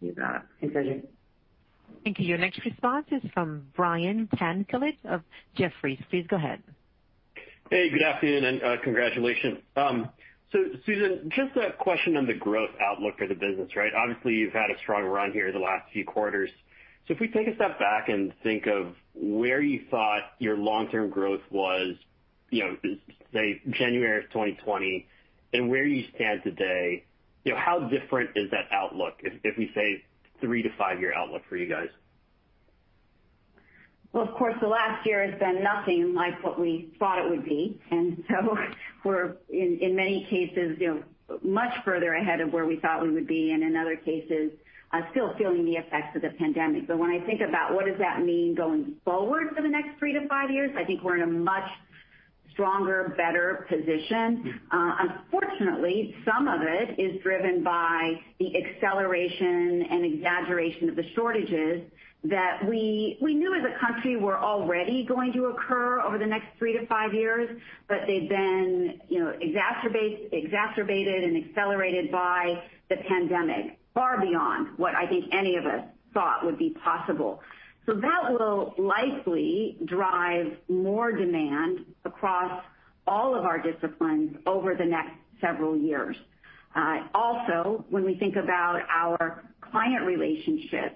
You got it. Thanks, A.J. Thank you. Your next response is from Brian Tanquilut of Jefferies. Please go ahead. Good afternoon, and congratulations. Susan, just a question on the growth outlook for the business, right? Obviously, you've had a strong run here the last few quarters. If we take a step back and think of where you thought your long-term growth was, say, January of 2020 and where you stand today, how different is that outlook, if we say three to five-year outlook for you guys? Well, of course, the last year has been nothing like what we thought it would be, and so we're, in many cases, much further ahead of where we thought we would be, and in other cases, still feeling the effects of the pandemic. When I think about what does that mean going forward for the next three to five years, I think we're in a much stronger, better position. Unfortunately, some of it is driven by the acceleration and exaggeration of the shortages that we knew as a country were already going to occur over the next three to five years. They've been exacerbated and accelerated by the pandemic far beyond what I think any of us thought would be possible. That will likely drive more demand across all of our disciplines over the next several years. When we think about our client relationships,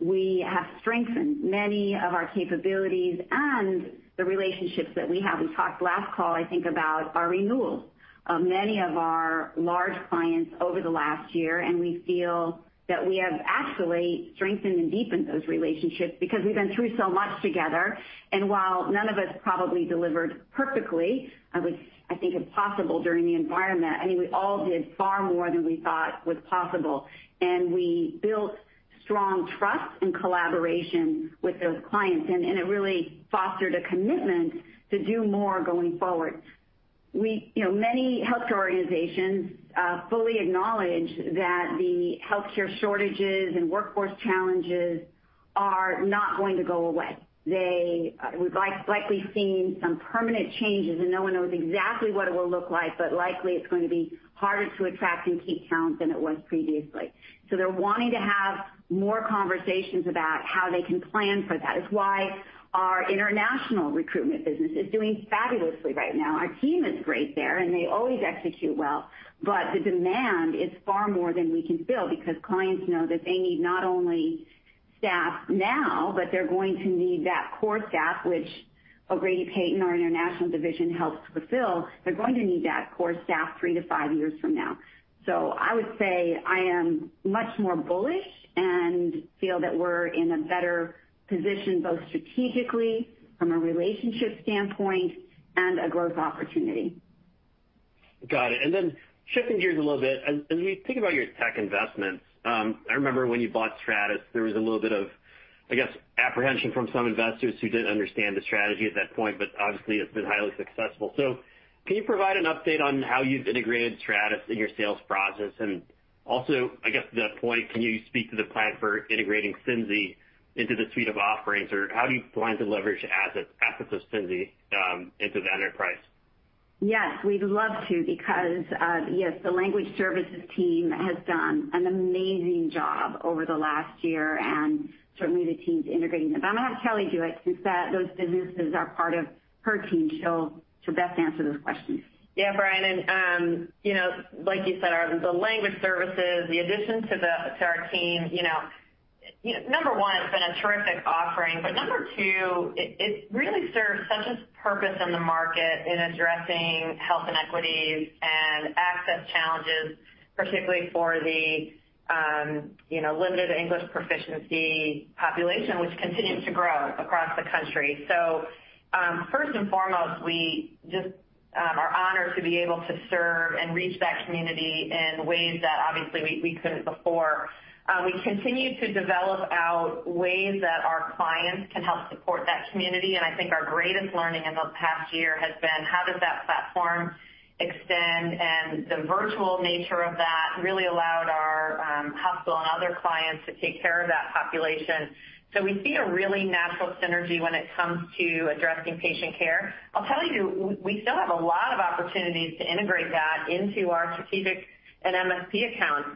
we have strengthened many of our capabilities and the relationships that we have. We talked last call, I think, about our renewal of many of our large clients over the last year, we feel that we have actually strengthened and deepened those relationships because we've been through so much together. While none of us probably delivered perfectly, which I think impossible during the environment, I mean, we all did far more than we thought was possible, we built strong trust and collaboration with those clients, it really fostered a commitment to do more going forward. Many healthcare organizations fully acknowledge that the healthcare shortages and workforce challenges are not going to go away. We've likely seen some permanent changes, and no one knows exactly what it will look like, but likely it's going to be harder to attract and keep talent than it was previously. They're wanting to have more conversations about how they can plan for that. It's why our international recruitment business is doing fabulously right now. Our team is great there, and they always execute well, but the demand is far more than we can fill because clients know that they need not only staff now, but they're going to need that core staff, which O'Grady Peyton, our international division, helps fulfill. They're going to need that core staff three to five years from now. I would say I am much more bullish and feel that we're in a better position, both strategically from a relationship standpoint and a growth opportunity. Got it. Shifting gears a little bit, as we think about your tech investments, I remember when you bought Stratus, there was a little bit of apprehension from some investors who didn't understand the strategy at that point, but obviously it's been highly successful. Can you provide an update on how you've integrated Stratus in your sales process? Also, can you speak to the plan for integrating Synzi into the suite of offerings, or how do you plan to leverage assets of Synzi into the enterprise? Yes, we'd love to because, yes, the language services team has done an amazing job over the last year and certainly the team's integrating them. I'm going to have Kelly do it since those businesses are part of her team, she'll best answer those questions. Brian, like you said, the language services, the addition to our team, number one, it's been a terrific offering, but number two, it really serves such a purpose in the market in addressing health inequities and access challenges, particularly for the limited English proficiency population, which continues to grow across the country. First and foremost, we just are honored to be able to serve and reach that community in ways that obviously we couldn't before. We continue to develop out ways that our clients can help support that community. I think our greatest learning in the past year has been how does that platform extend, and the virtual nature of that really allowed our hospital and other clients to take care of that population. We see a really natural synergy when it comes to addressing patient care. I'll tell you, we still have a lot of opportunities to integrate that into our strategic and MSP accounts.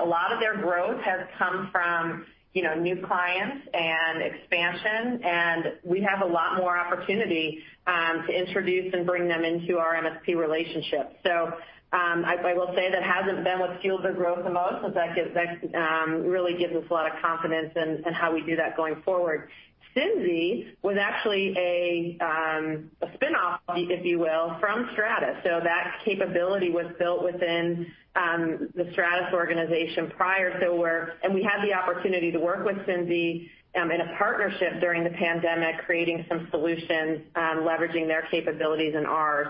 A lot of their growth has come from new clients and expansion, and we have a lot more opportunity to introduce and bring them into our MSP relationship. I will say that hasn't been what's fueled their growth the most, but that really gives us a lot of confidence in how we do that going forward. Synzi was actually a spinoff, if you will, from Stratus. That capability was built within the Stratus organization prior to. We had the opportunity to work with Synzi in a partnership during the pandemic, creating some solutions, leveraging their capabilities and ours.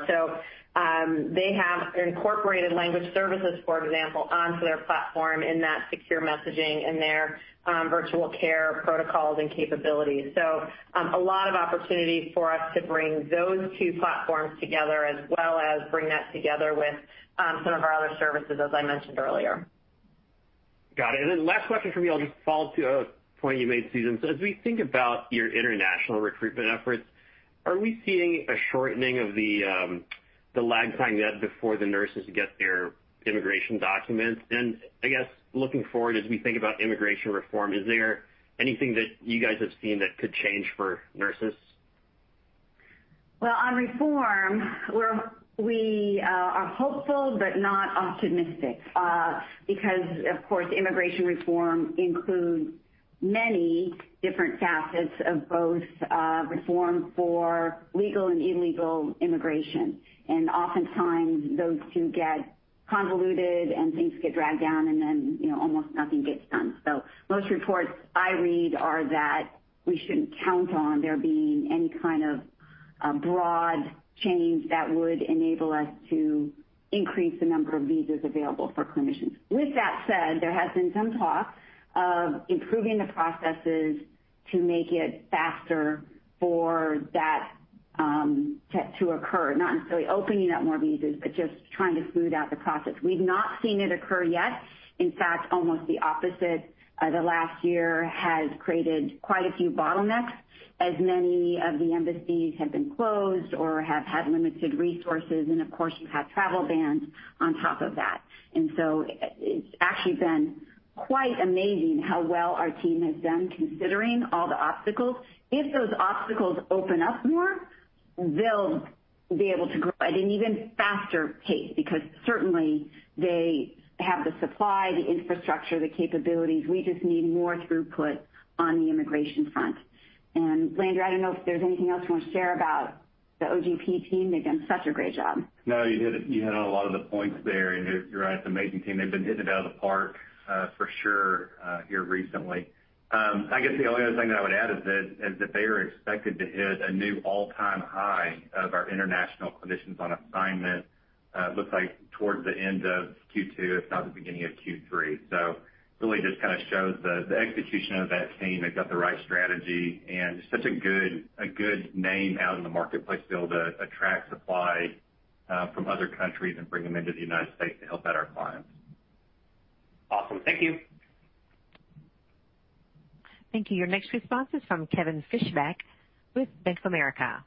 They have incorporated language services, for example, onto their platform in that secure messaging and their virtual care protocols and capabilities. A lot of opportunities for us to bring those two platforms together as well as bring that together with some of our other services, as I mentioned earlier. Got it. Last question from me. I'll just follow to a point you made, Susan. As we think about your international recruitment efforts, are we seeing a shortening of the lag time you had before the nurses get their immigration documents? Looking forward, as we think about immigration reform, is there anything that you guys have seen that could change for nurses? On reform, we are hopeful but not optimistic. Of course, immigration reform includes many different facets of both reform for legal and illegal immigration. Oftentimes those two get convoluted and things get dragged down, and then almost nothing gets done. Most reports I read are that we shouldn't count on there being any kind of broad change that would enable us to increase the number of visas available for clinicians. With that said, there has been some talk of improving the processes to make it faster for that to occur. Not necessarily opening up more visas, but just trying to smooth out the process. We've not seen it occur yet. In fact, almost the opposite. The last year has created quite a few bottlenecks as many of the embassies have been closed or have had limited resources. Of course, you have travel bans on top of that. It's actually been quite amazing how well our team has done considering all the obstacles. If those obstacles open up more, they'll be able to grow at an even faster pace because certainly they have the supply, the infrastructure, the capabilities. We just need more throughput on the immigration front. Landry, I don't know if there's anything else you want to share about the OGP team. They've done such a great job. No, you hit on a lot of the points there, and you're right. It's an amazing team. They've been hitting it out of the park for sure here recently. I guess the only other thing that I would add is that they are expected to hit a new all-time high of our international clinicians on assignment. It looks like towards the end of Q2, if not the beginning of Q3. Really just kind of shows the execution of that team. They've got the right strategy and such a good name out in the marketplace to be able to attract supply from other countries and bring them into the United States to help out our clients. Awesome. Thank you. Thank you. Your next response is from Kevin Fischbeck with Bank of America.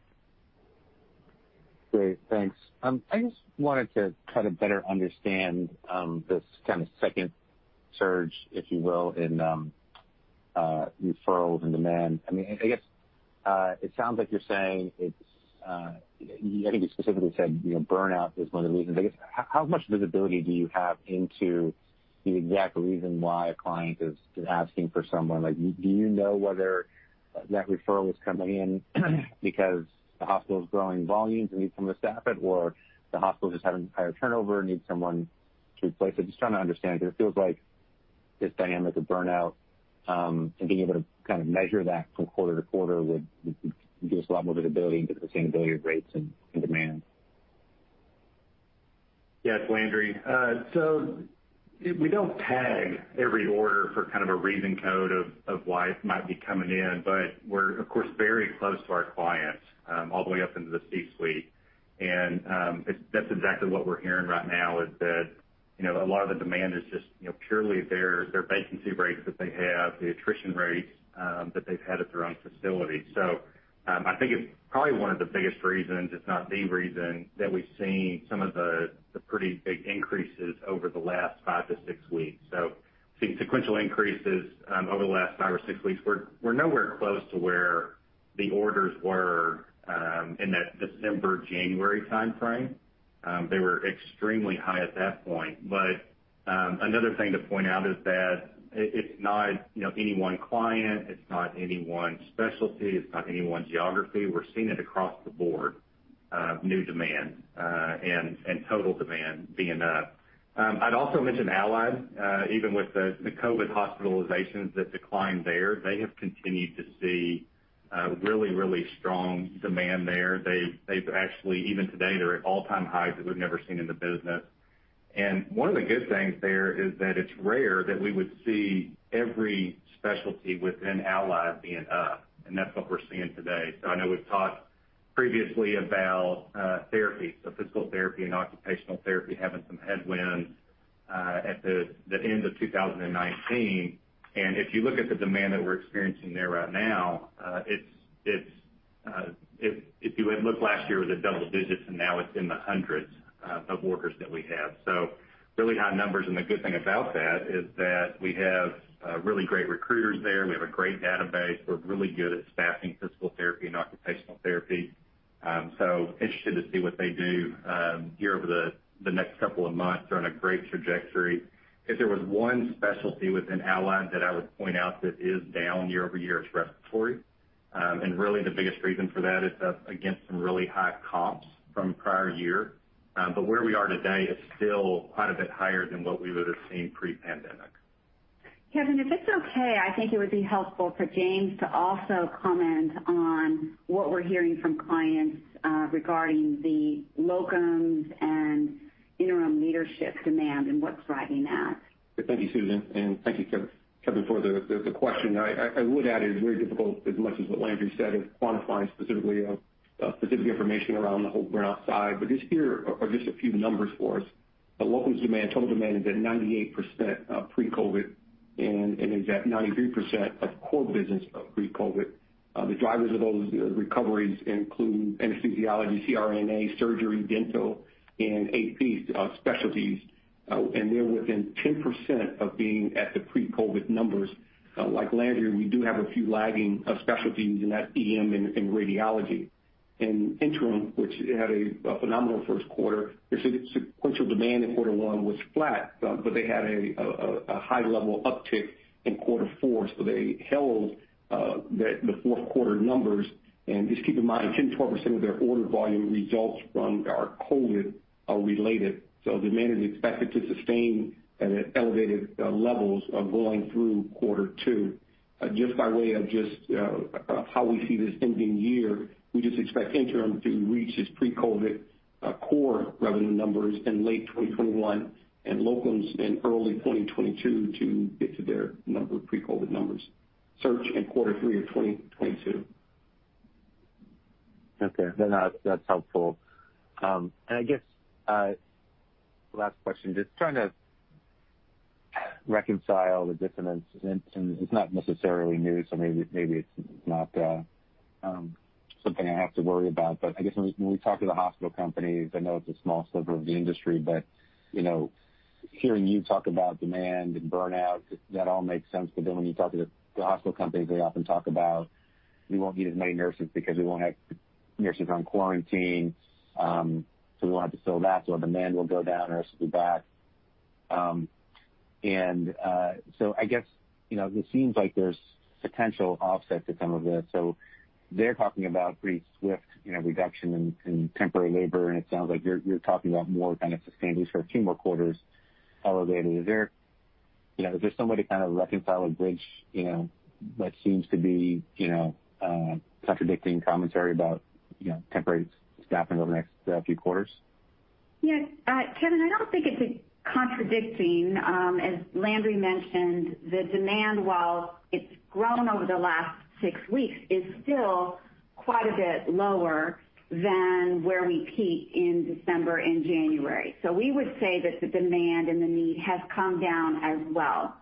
Great. Thanks. I just wanted to kind of better understand this kind of second surge, if you will, in referrals and demand. I guess, it sounds like you're saying I think you specifically said burnout is one of the reasons. I guess, how much visibility do you have into the exact reason why a client is asking for someone? Do you know whether that referral is coming in because the hospital's growing volumes and needs someone to staff it, or the hospital's just having higher turnover and needs someone to replace it? Just trying to understand because it feels like. This dynamic of burnout, and being able to measure that from quarter to quarter would give us a lot more visibility into the sustainability of rates and demand. Yes, Landry. We don't tag every order for a reason code of why it might be coming in. We're, of course, very close to our clients, all the way up into the C-suite. That's exactly what we're hearing right now is that a lot of the demand is just purely their vacancy rates that they have, the attrition rates that they've had at their own facility. I think it's probably one of the biggest reasons, if not the reason, that we've seen some of the pretty big increases over the last five to six weeks. Seeing sequential increases over the last five or six weeks. We're nowhere close to where the orders were in that December-January timeframe. They were extremely high at that point. Another thing to point out is that it's not any one client, it's not any one specialty, it's not any one geography. We're seeing it across the board of new demand and total demand being up. I'd also mention Allied, even with the COVID-19 hospitalizations that declined there, they have continued to see really strong demand there. Even today, they're at all-time highs that we've never seen in the business. One of the good things there is that it's rare that we would see every specialty within Allied being up, and that's what we're seeing today. I know we've talked previously about therapy, so physical therapy and occupational therapy having some headwinds at the end of 2019. If you look at the demand that we're experiencing there right now, if you had looked last year, it was at double digits, and now it's in the hundreds of workers that we have. Really high numbers, and the good thing about that is that we have really great recruiters there. We have a great database. We're really good at staffing physical therapy and occupational therapy. Interested to see what they do here over the next couple of months. They're on a great trajectory. If there was one specialty within Allied that I would point out that is down year-over-year, it's respiratory. Really the biggest reason for that is up against some really high comps from prior year. Where we are today is still quite a bit higher than what we would've seen pre-pandemic. Kevin, if it's okay, I think it would be helpful for James to also comment on what we're hearing from clients regarding the locums and interim leadership demand and what's driving that. Thank you, Susan, and thank you, Kevin, for the question. I would add it is very difficult, as much as what Landry said, of quantifying specific information around the whole burnout side. Here are just a few numbers for us. The locums demand, total demand is at 98% of pre-COVID, and it is at 93% of core business of pre-COVID. The drivers of those recoveries include anesthesiology, CRNA, surgery, dental, and AP specialties. They're within 10% of being at the pre-COVID numbers. Like Landry, we do have a few lagging specialties, and that's EM and radiology. Interim, which had a phenomenal first quarter, their sequential demand in quarter one was flat. They had a high level uptick in quarter four, so they held the fourth quarter numbers. Just keep in mind, 10%-12% of their order volume results are COVID-related. Demand is expected to sustain at elevated levels going through quarter two. Just by way of how we see this ending year, we just expect Interim to reach its pre-COVID core revenue numbers in late 2021 and Locums in early 2022 to get to their pre-COVID numbers. Search in quarter three of 2022. Okay. That's helpful. I guess, last question, just trying to reconcile the dissonance, and it's not necessarily new, so maybe it's not something I have to worry about. I guess when we talk to the hospital companies, I know it's a small sliver of the industry, but hearing you talk about demand and burnout, that all makes sense. When you talk to the hospital companies, they often talk about we won't need as many nurses because we won't have nurses on quarantine, so we'll have to fill that. Our demand will go down, or this will be back. I guess it seems like there's potential offsets to some of this. They're talking about pretty swift reduction in temporary labor, and it sounds like you're talking about more kind of sustained, at least for a few more quarters, elevated. Is there some way to kind of reconcile a bridge that seems to be contradicting commentary about temporary staffing over the next few quarters? Yeah. Kevin, I don't think it's contradicting. As Landry mentioned, the demand, while it's grown over the last six weeks, is still quite a bit lower than where we peaked in December and January. We would say that the demand and the need has come down as well.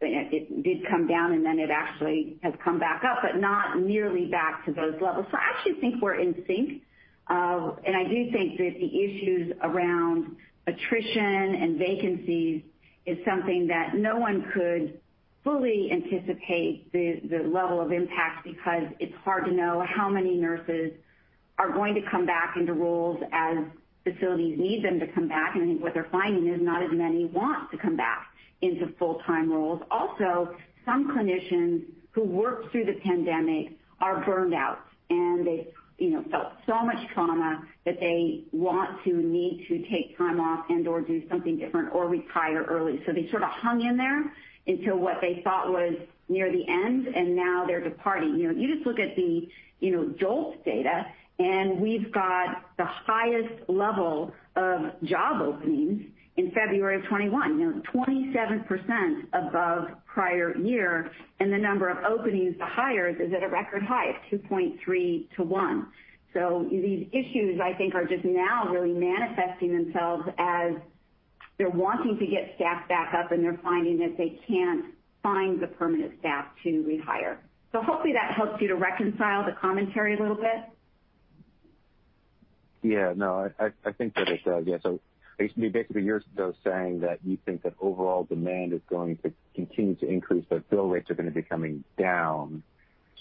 It did come down, and then it actually has come back up, but not nearly back to those levels. I actually think we're in sync. I do think that the issues around attrition and vacancies is something that no one could fully anticipate the level of impact, because it's hard to know how many nurses are going to come back into roles as facilities need them to come back. I think what they're finding is not as many want to come back into full-time roles. Also, some clinicians who worked through the pandemic are burned out, and they've felt so much trauma that they want to, need to take time off and/or do something different or retire early. They sort of hung in there until what they thought was near the end, and now they're departing. You just look at the JOLTS data, and we've got the highest level of job openings in February of 2021, 27% above prior year, and the number of openings to hires is at a record high of 2.3:1. These issues, I think, are just now really manifesting themselves as they're wanting to get staff back up, and they're finding that they can't find the permanent staff to rehire. Hopefully that helps you to reconcile the commentary a little bit. No, I think that it does. Basically, you're, though, saying that you think that overall demand is going to continue to increase, but bill rates are going to be coming down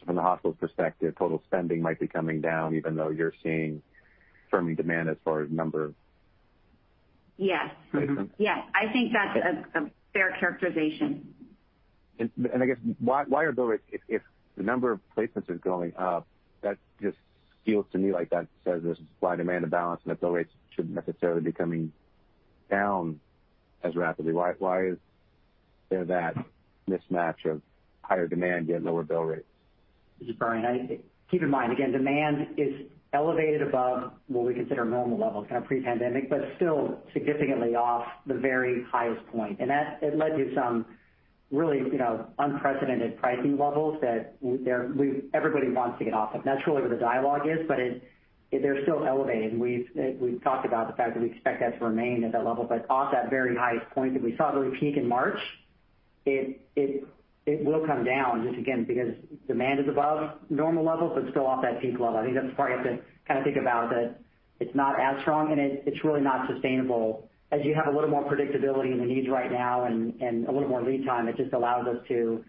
from the hospital's perspective. Total spending might be coming down even though you're seeing firming demand as far as number of placements. Yes. I think that's a fair characterization. If the number of placements is going up, that just feels to me like that says there's supply and demand to balance, and that bill rates shouldn't necessarily be coming down as rapidly. Why is there that mismatch of higher demand yet lower bill rates? This is Brian. Keep in mind, again, demand is elevated above what we consider normal levels kind of pre-pandemic, but still significantly off the very highest point. It led to some really unprecedented pricing levels that everybody wants to get off of. That's really where the dialogue is, but they're still elevated. We've talked about the fact that we expect that to remain at that level. Off that very highest point that we saw really peak in March, it will come down just, again, because demand is above normal levels but still off that peak level. I think that's the part you have to kind of think about, that it's not as strong, and it's really not sustainable. As you have a little more predictability in the needs right now and a little more lead time, it just allows us to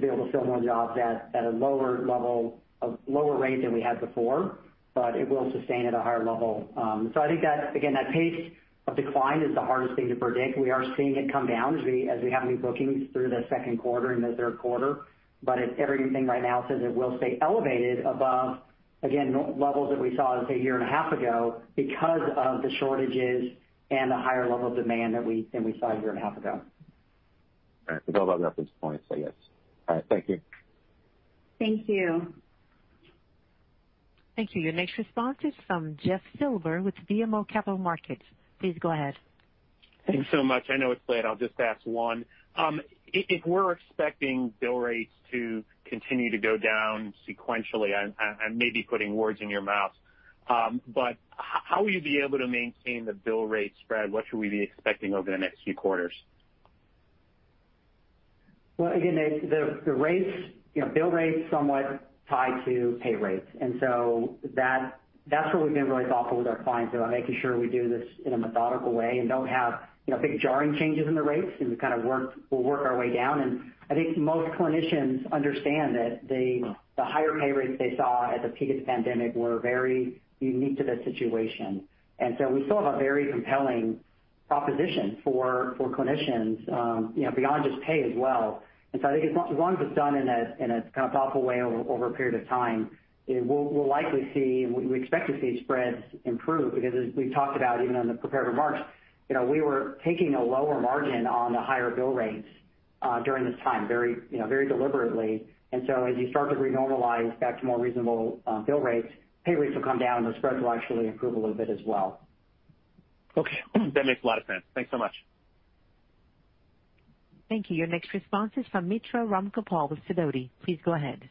be able to fill more jobs at a lower rate than we had before, but it will sustain at a higher level. I think that, again, that pace of decline is the hardest thing to predict. We are seeing it come down as we have new bookings through the second quarter and the third quarter. Everything right now says it will stay elevated above, again, levels that we saw a year and a half ago because of the shortages and the higher level of demand than we saw a year and a half ago. All right. Development at this point, so yes. All right. Thank you. Thank you. Thank you. Your next response is from Jeff Silber with BMO Capital Markets. Please go ahead. Thanks so much. I know it's late. I'll just ask one. If we're expecting bill rates to continue to go down sequentially, I may be putting words in your mouth, but how will you be able to maintain the bill rate spread? What should we be expecting over the next few quarters? Again, the bill rates somewhat tie to pay rates. That's where we've been really thoughtful with our clients about making sure we do this in a methodical way and don't have big jarring changes in the rates, and we'll work our way down. I think most clinicians understand that the higher pay rates they saw at the peak of the pandemic were very unique to the situation. We still have a very compelling proposition for clinicians beyond just pay as well. I think as long as it's done in a kind of thoughtful way over a period of time, we'll likely see, and we expect to see spreads improve because as we've talked about, even in the prepared remarks, we were taking a lower margin on the higher bill rates during this time very deliberately. As you start to re-normalize back to more reasonable bill rates, pay rates will come down, and those spreads will actually improve a little bit as well. Okay. That makes a lot of sense. Thanks so much. Thank you. Your next response is from Mitra Ramgopal with Sidoti. Please go ahead.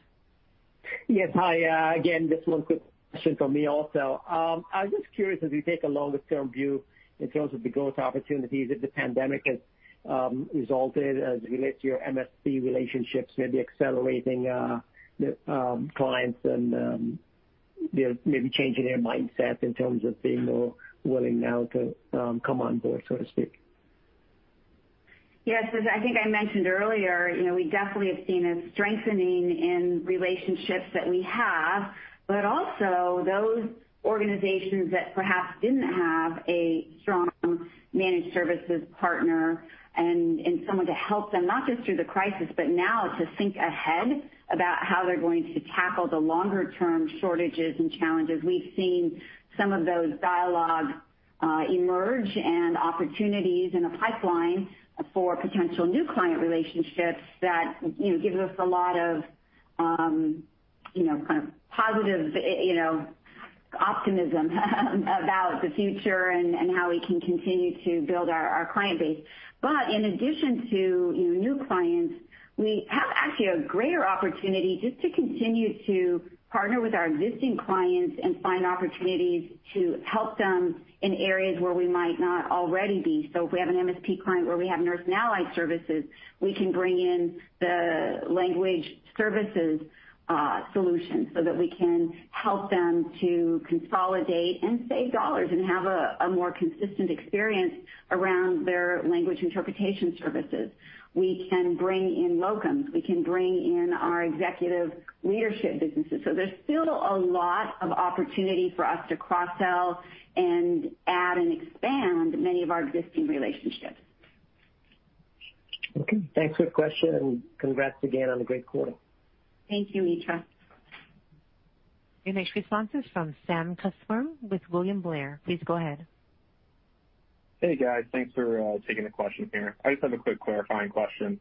Yes. Hi. Again, just one quick question from me also. I was just curious, as we take a longer-term view in terms of the growth opportunities that the pandemic has resulted as it relates to your MSP relationships maybe accelerating clients and maybe changing their mindset in terms of being more willing now to come on board, so to speak. Yes. As I think I mentioned earlier, we definitely have seen a strengthening in relationships that we have, but also those organizations that perhaps didn't have a strong managed services partner and someone to help them, not just through the crisis, but now to think ahead about how they're going to tackle the longer-term shortages and challenges. We've seen some of those dialogues emerge and opportunities in the pipeline for potential new client relationships that gives us a lot of kind of positive optimism about the future and how we can continue to build our client base. In addition to new clients, we have actually a greater opportunity just to continue to partner with our existing clients and find opportunities to help them in areas where we might not already be. If we have an MSP client where we have Nurse and Allied Solutions, we can bring in the AMN Language Services solution so that we can help them to consolidate and save dollars and have a more consistent experience around their language interpretation services. We can bring in locums. We can bring in our executive leadership businesses. There's still a lot of opportunity for us to cross-sell and add and expand many of our existing relationships. Okay. Thanks for the question, and congrats again on the great quarter. Thank you, Mitra. Your next response is from Sam Kussner with William Blair. Please go ahead. Hey, guys. Thanks for taking the question here. I just have a quick clarifying question.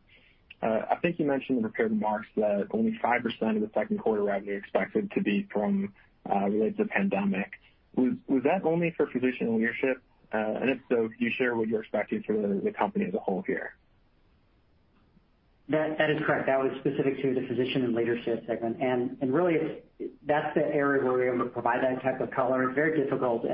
I think you mentioned in prepared remarks that only 5% of the second quarter revenue expected to be from related to the pandemic. Was that only for Physician Leadership? If so, could you share what you're expecting for the company as a whole here? That is correct. That was specific to the Physician and Leadership Solutions segment. Really, that's the area where we're able to provide that type of color. It's very difficult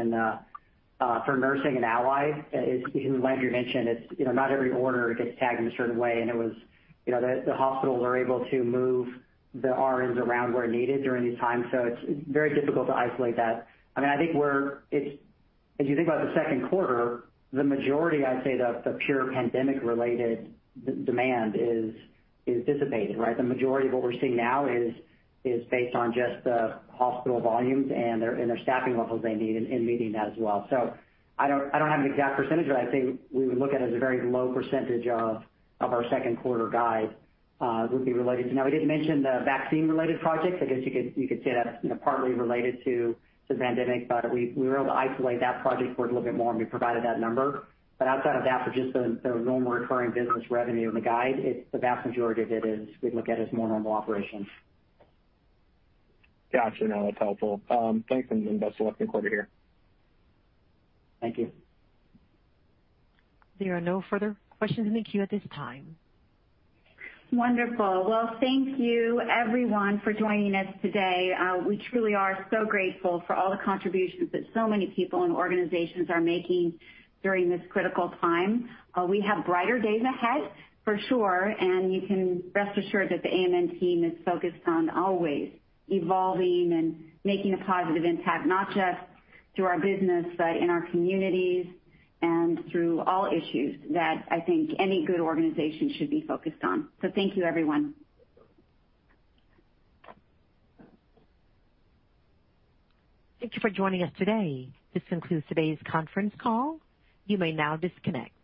for Nurse and Allied Solutions, as Landry mentioned. Not every order gets tagged in a certain way, and the hospitals are able to move the RNs around where needed during these times. It's very difficult to isolate that. As you think about the second quarter, the majority, I'd say, of the pure pandemic-related demand is dissipated. The majority of what we're seeing now is based on just the hospital volumes and their staffing levels they need in meeting that as well. I don't have an exact percentage, but I'd say we would look at it as a very low percentage of our second quarter guide would be related to. Now, we did mention the vaccine-related projects. I guess you could say that's partly related to the pandemic, but we were able to isolate that project for it a little bit more, and we provided that number. Outside of that, for just the normal recurring business revenue and the guide, the vast majority of it is we look at as more normal operations. Got you. No, that's helpful. Thanks, and best of luck in the quarter here. Thank you. There are no further questions in the queue at this time. Wonderful. Well, thank you everyone for joining us today. We truly are so grateful for all the contributions that so many people and organizations are making during this critical time. We have brighter days ahead for sure, and you can rest assured that the AMN team is focused on always evolving and making a positive impact, not just through our business, but in our communities and through all issues that I think any good organization should be focused on. Thank you, everyone. Thank you for joining us today. This concludes today's conference call. You may now disconnect.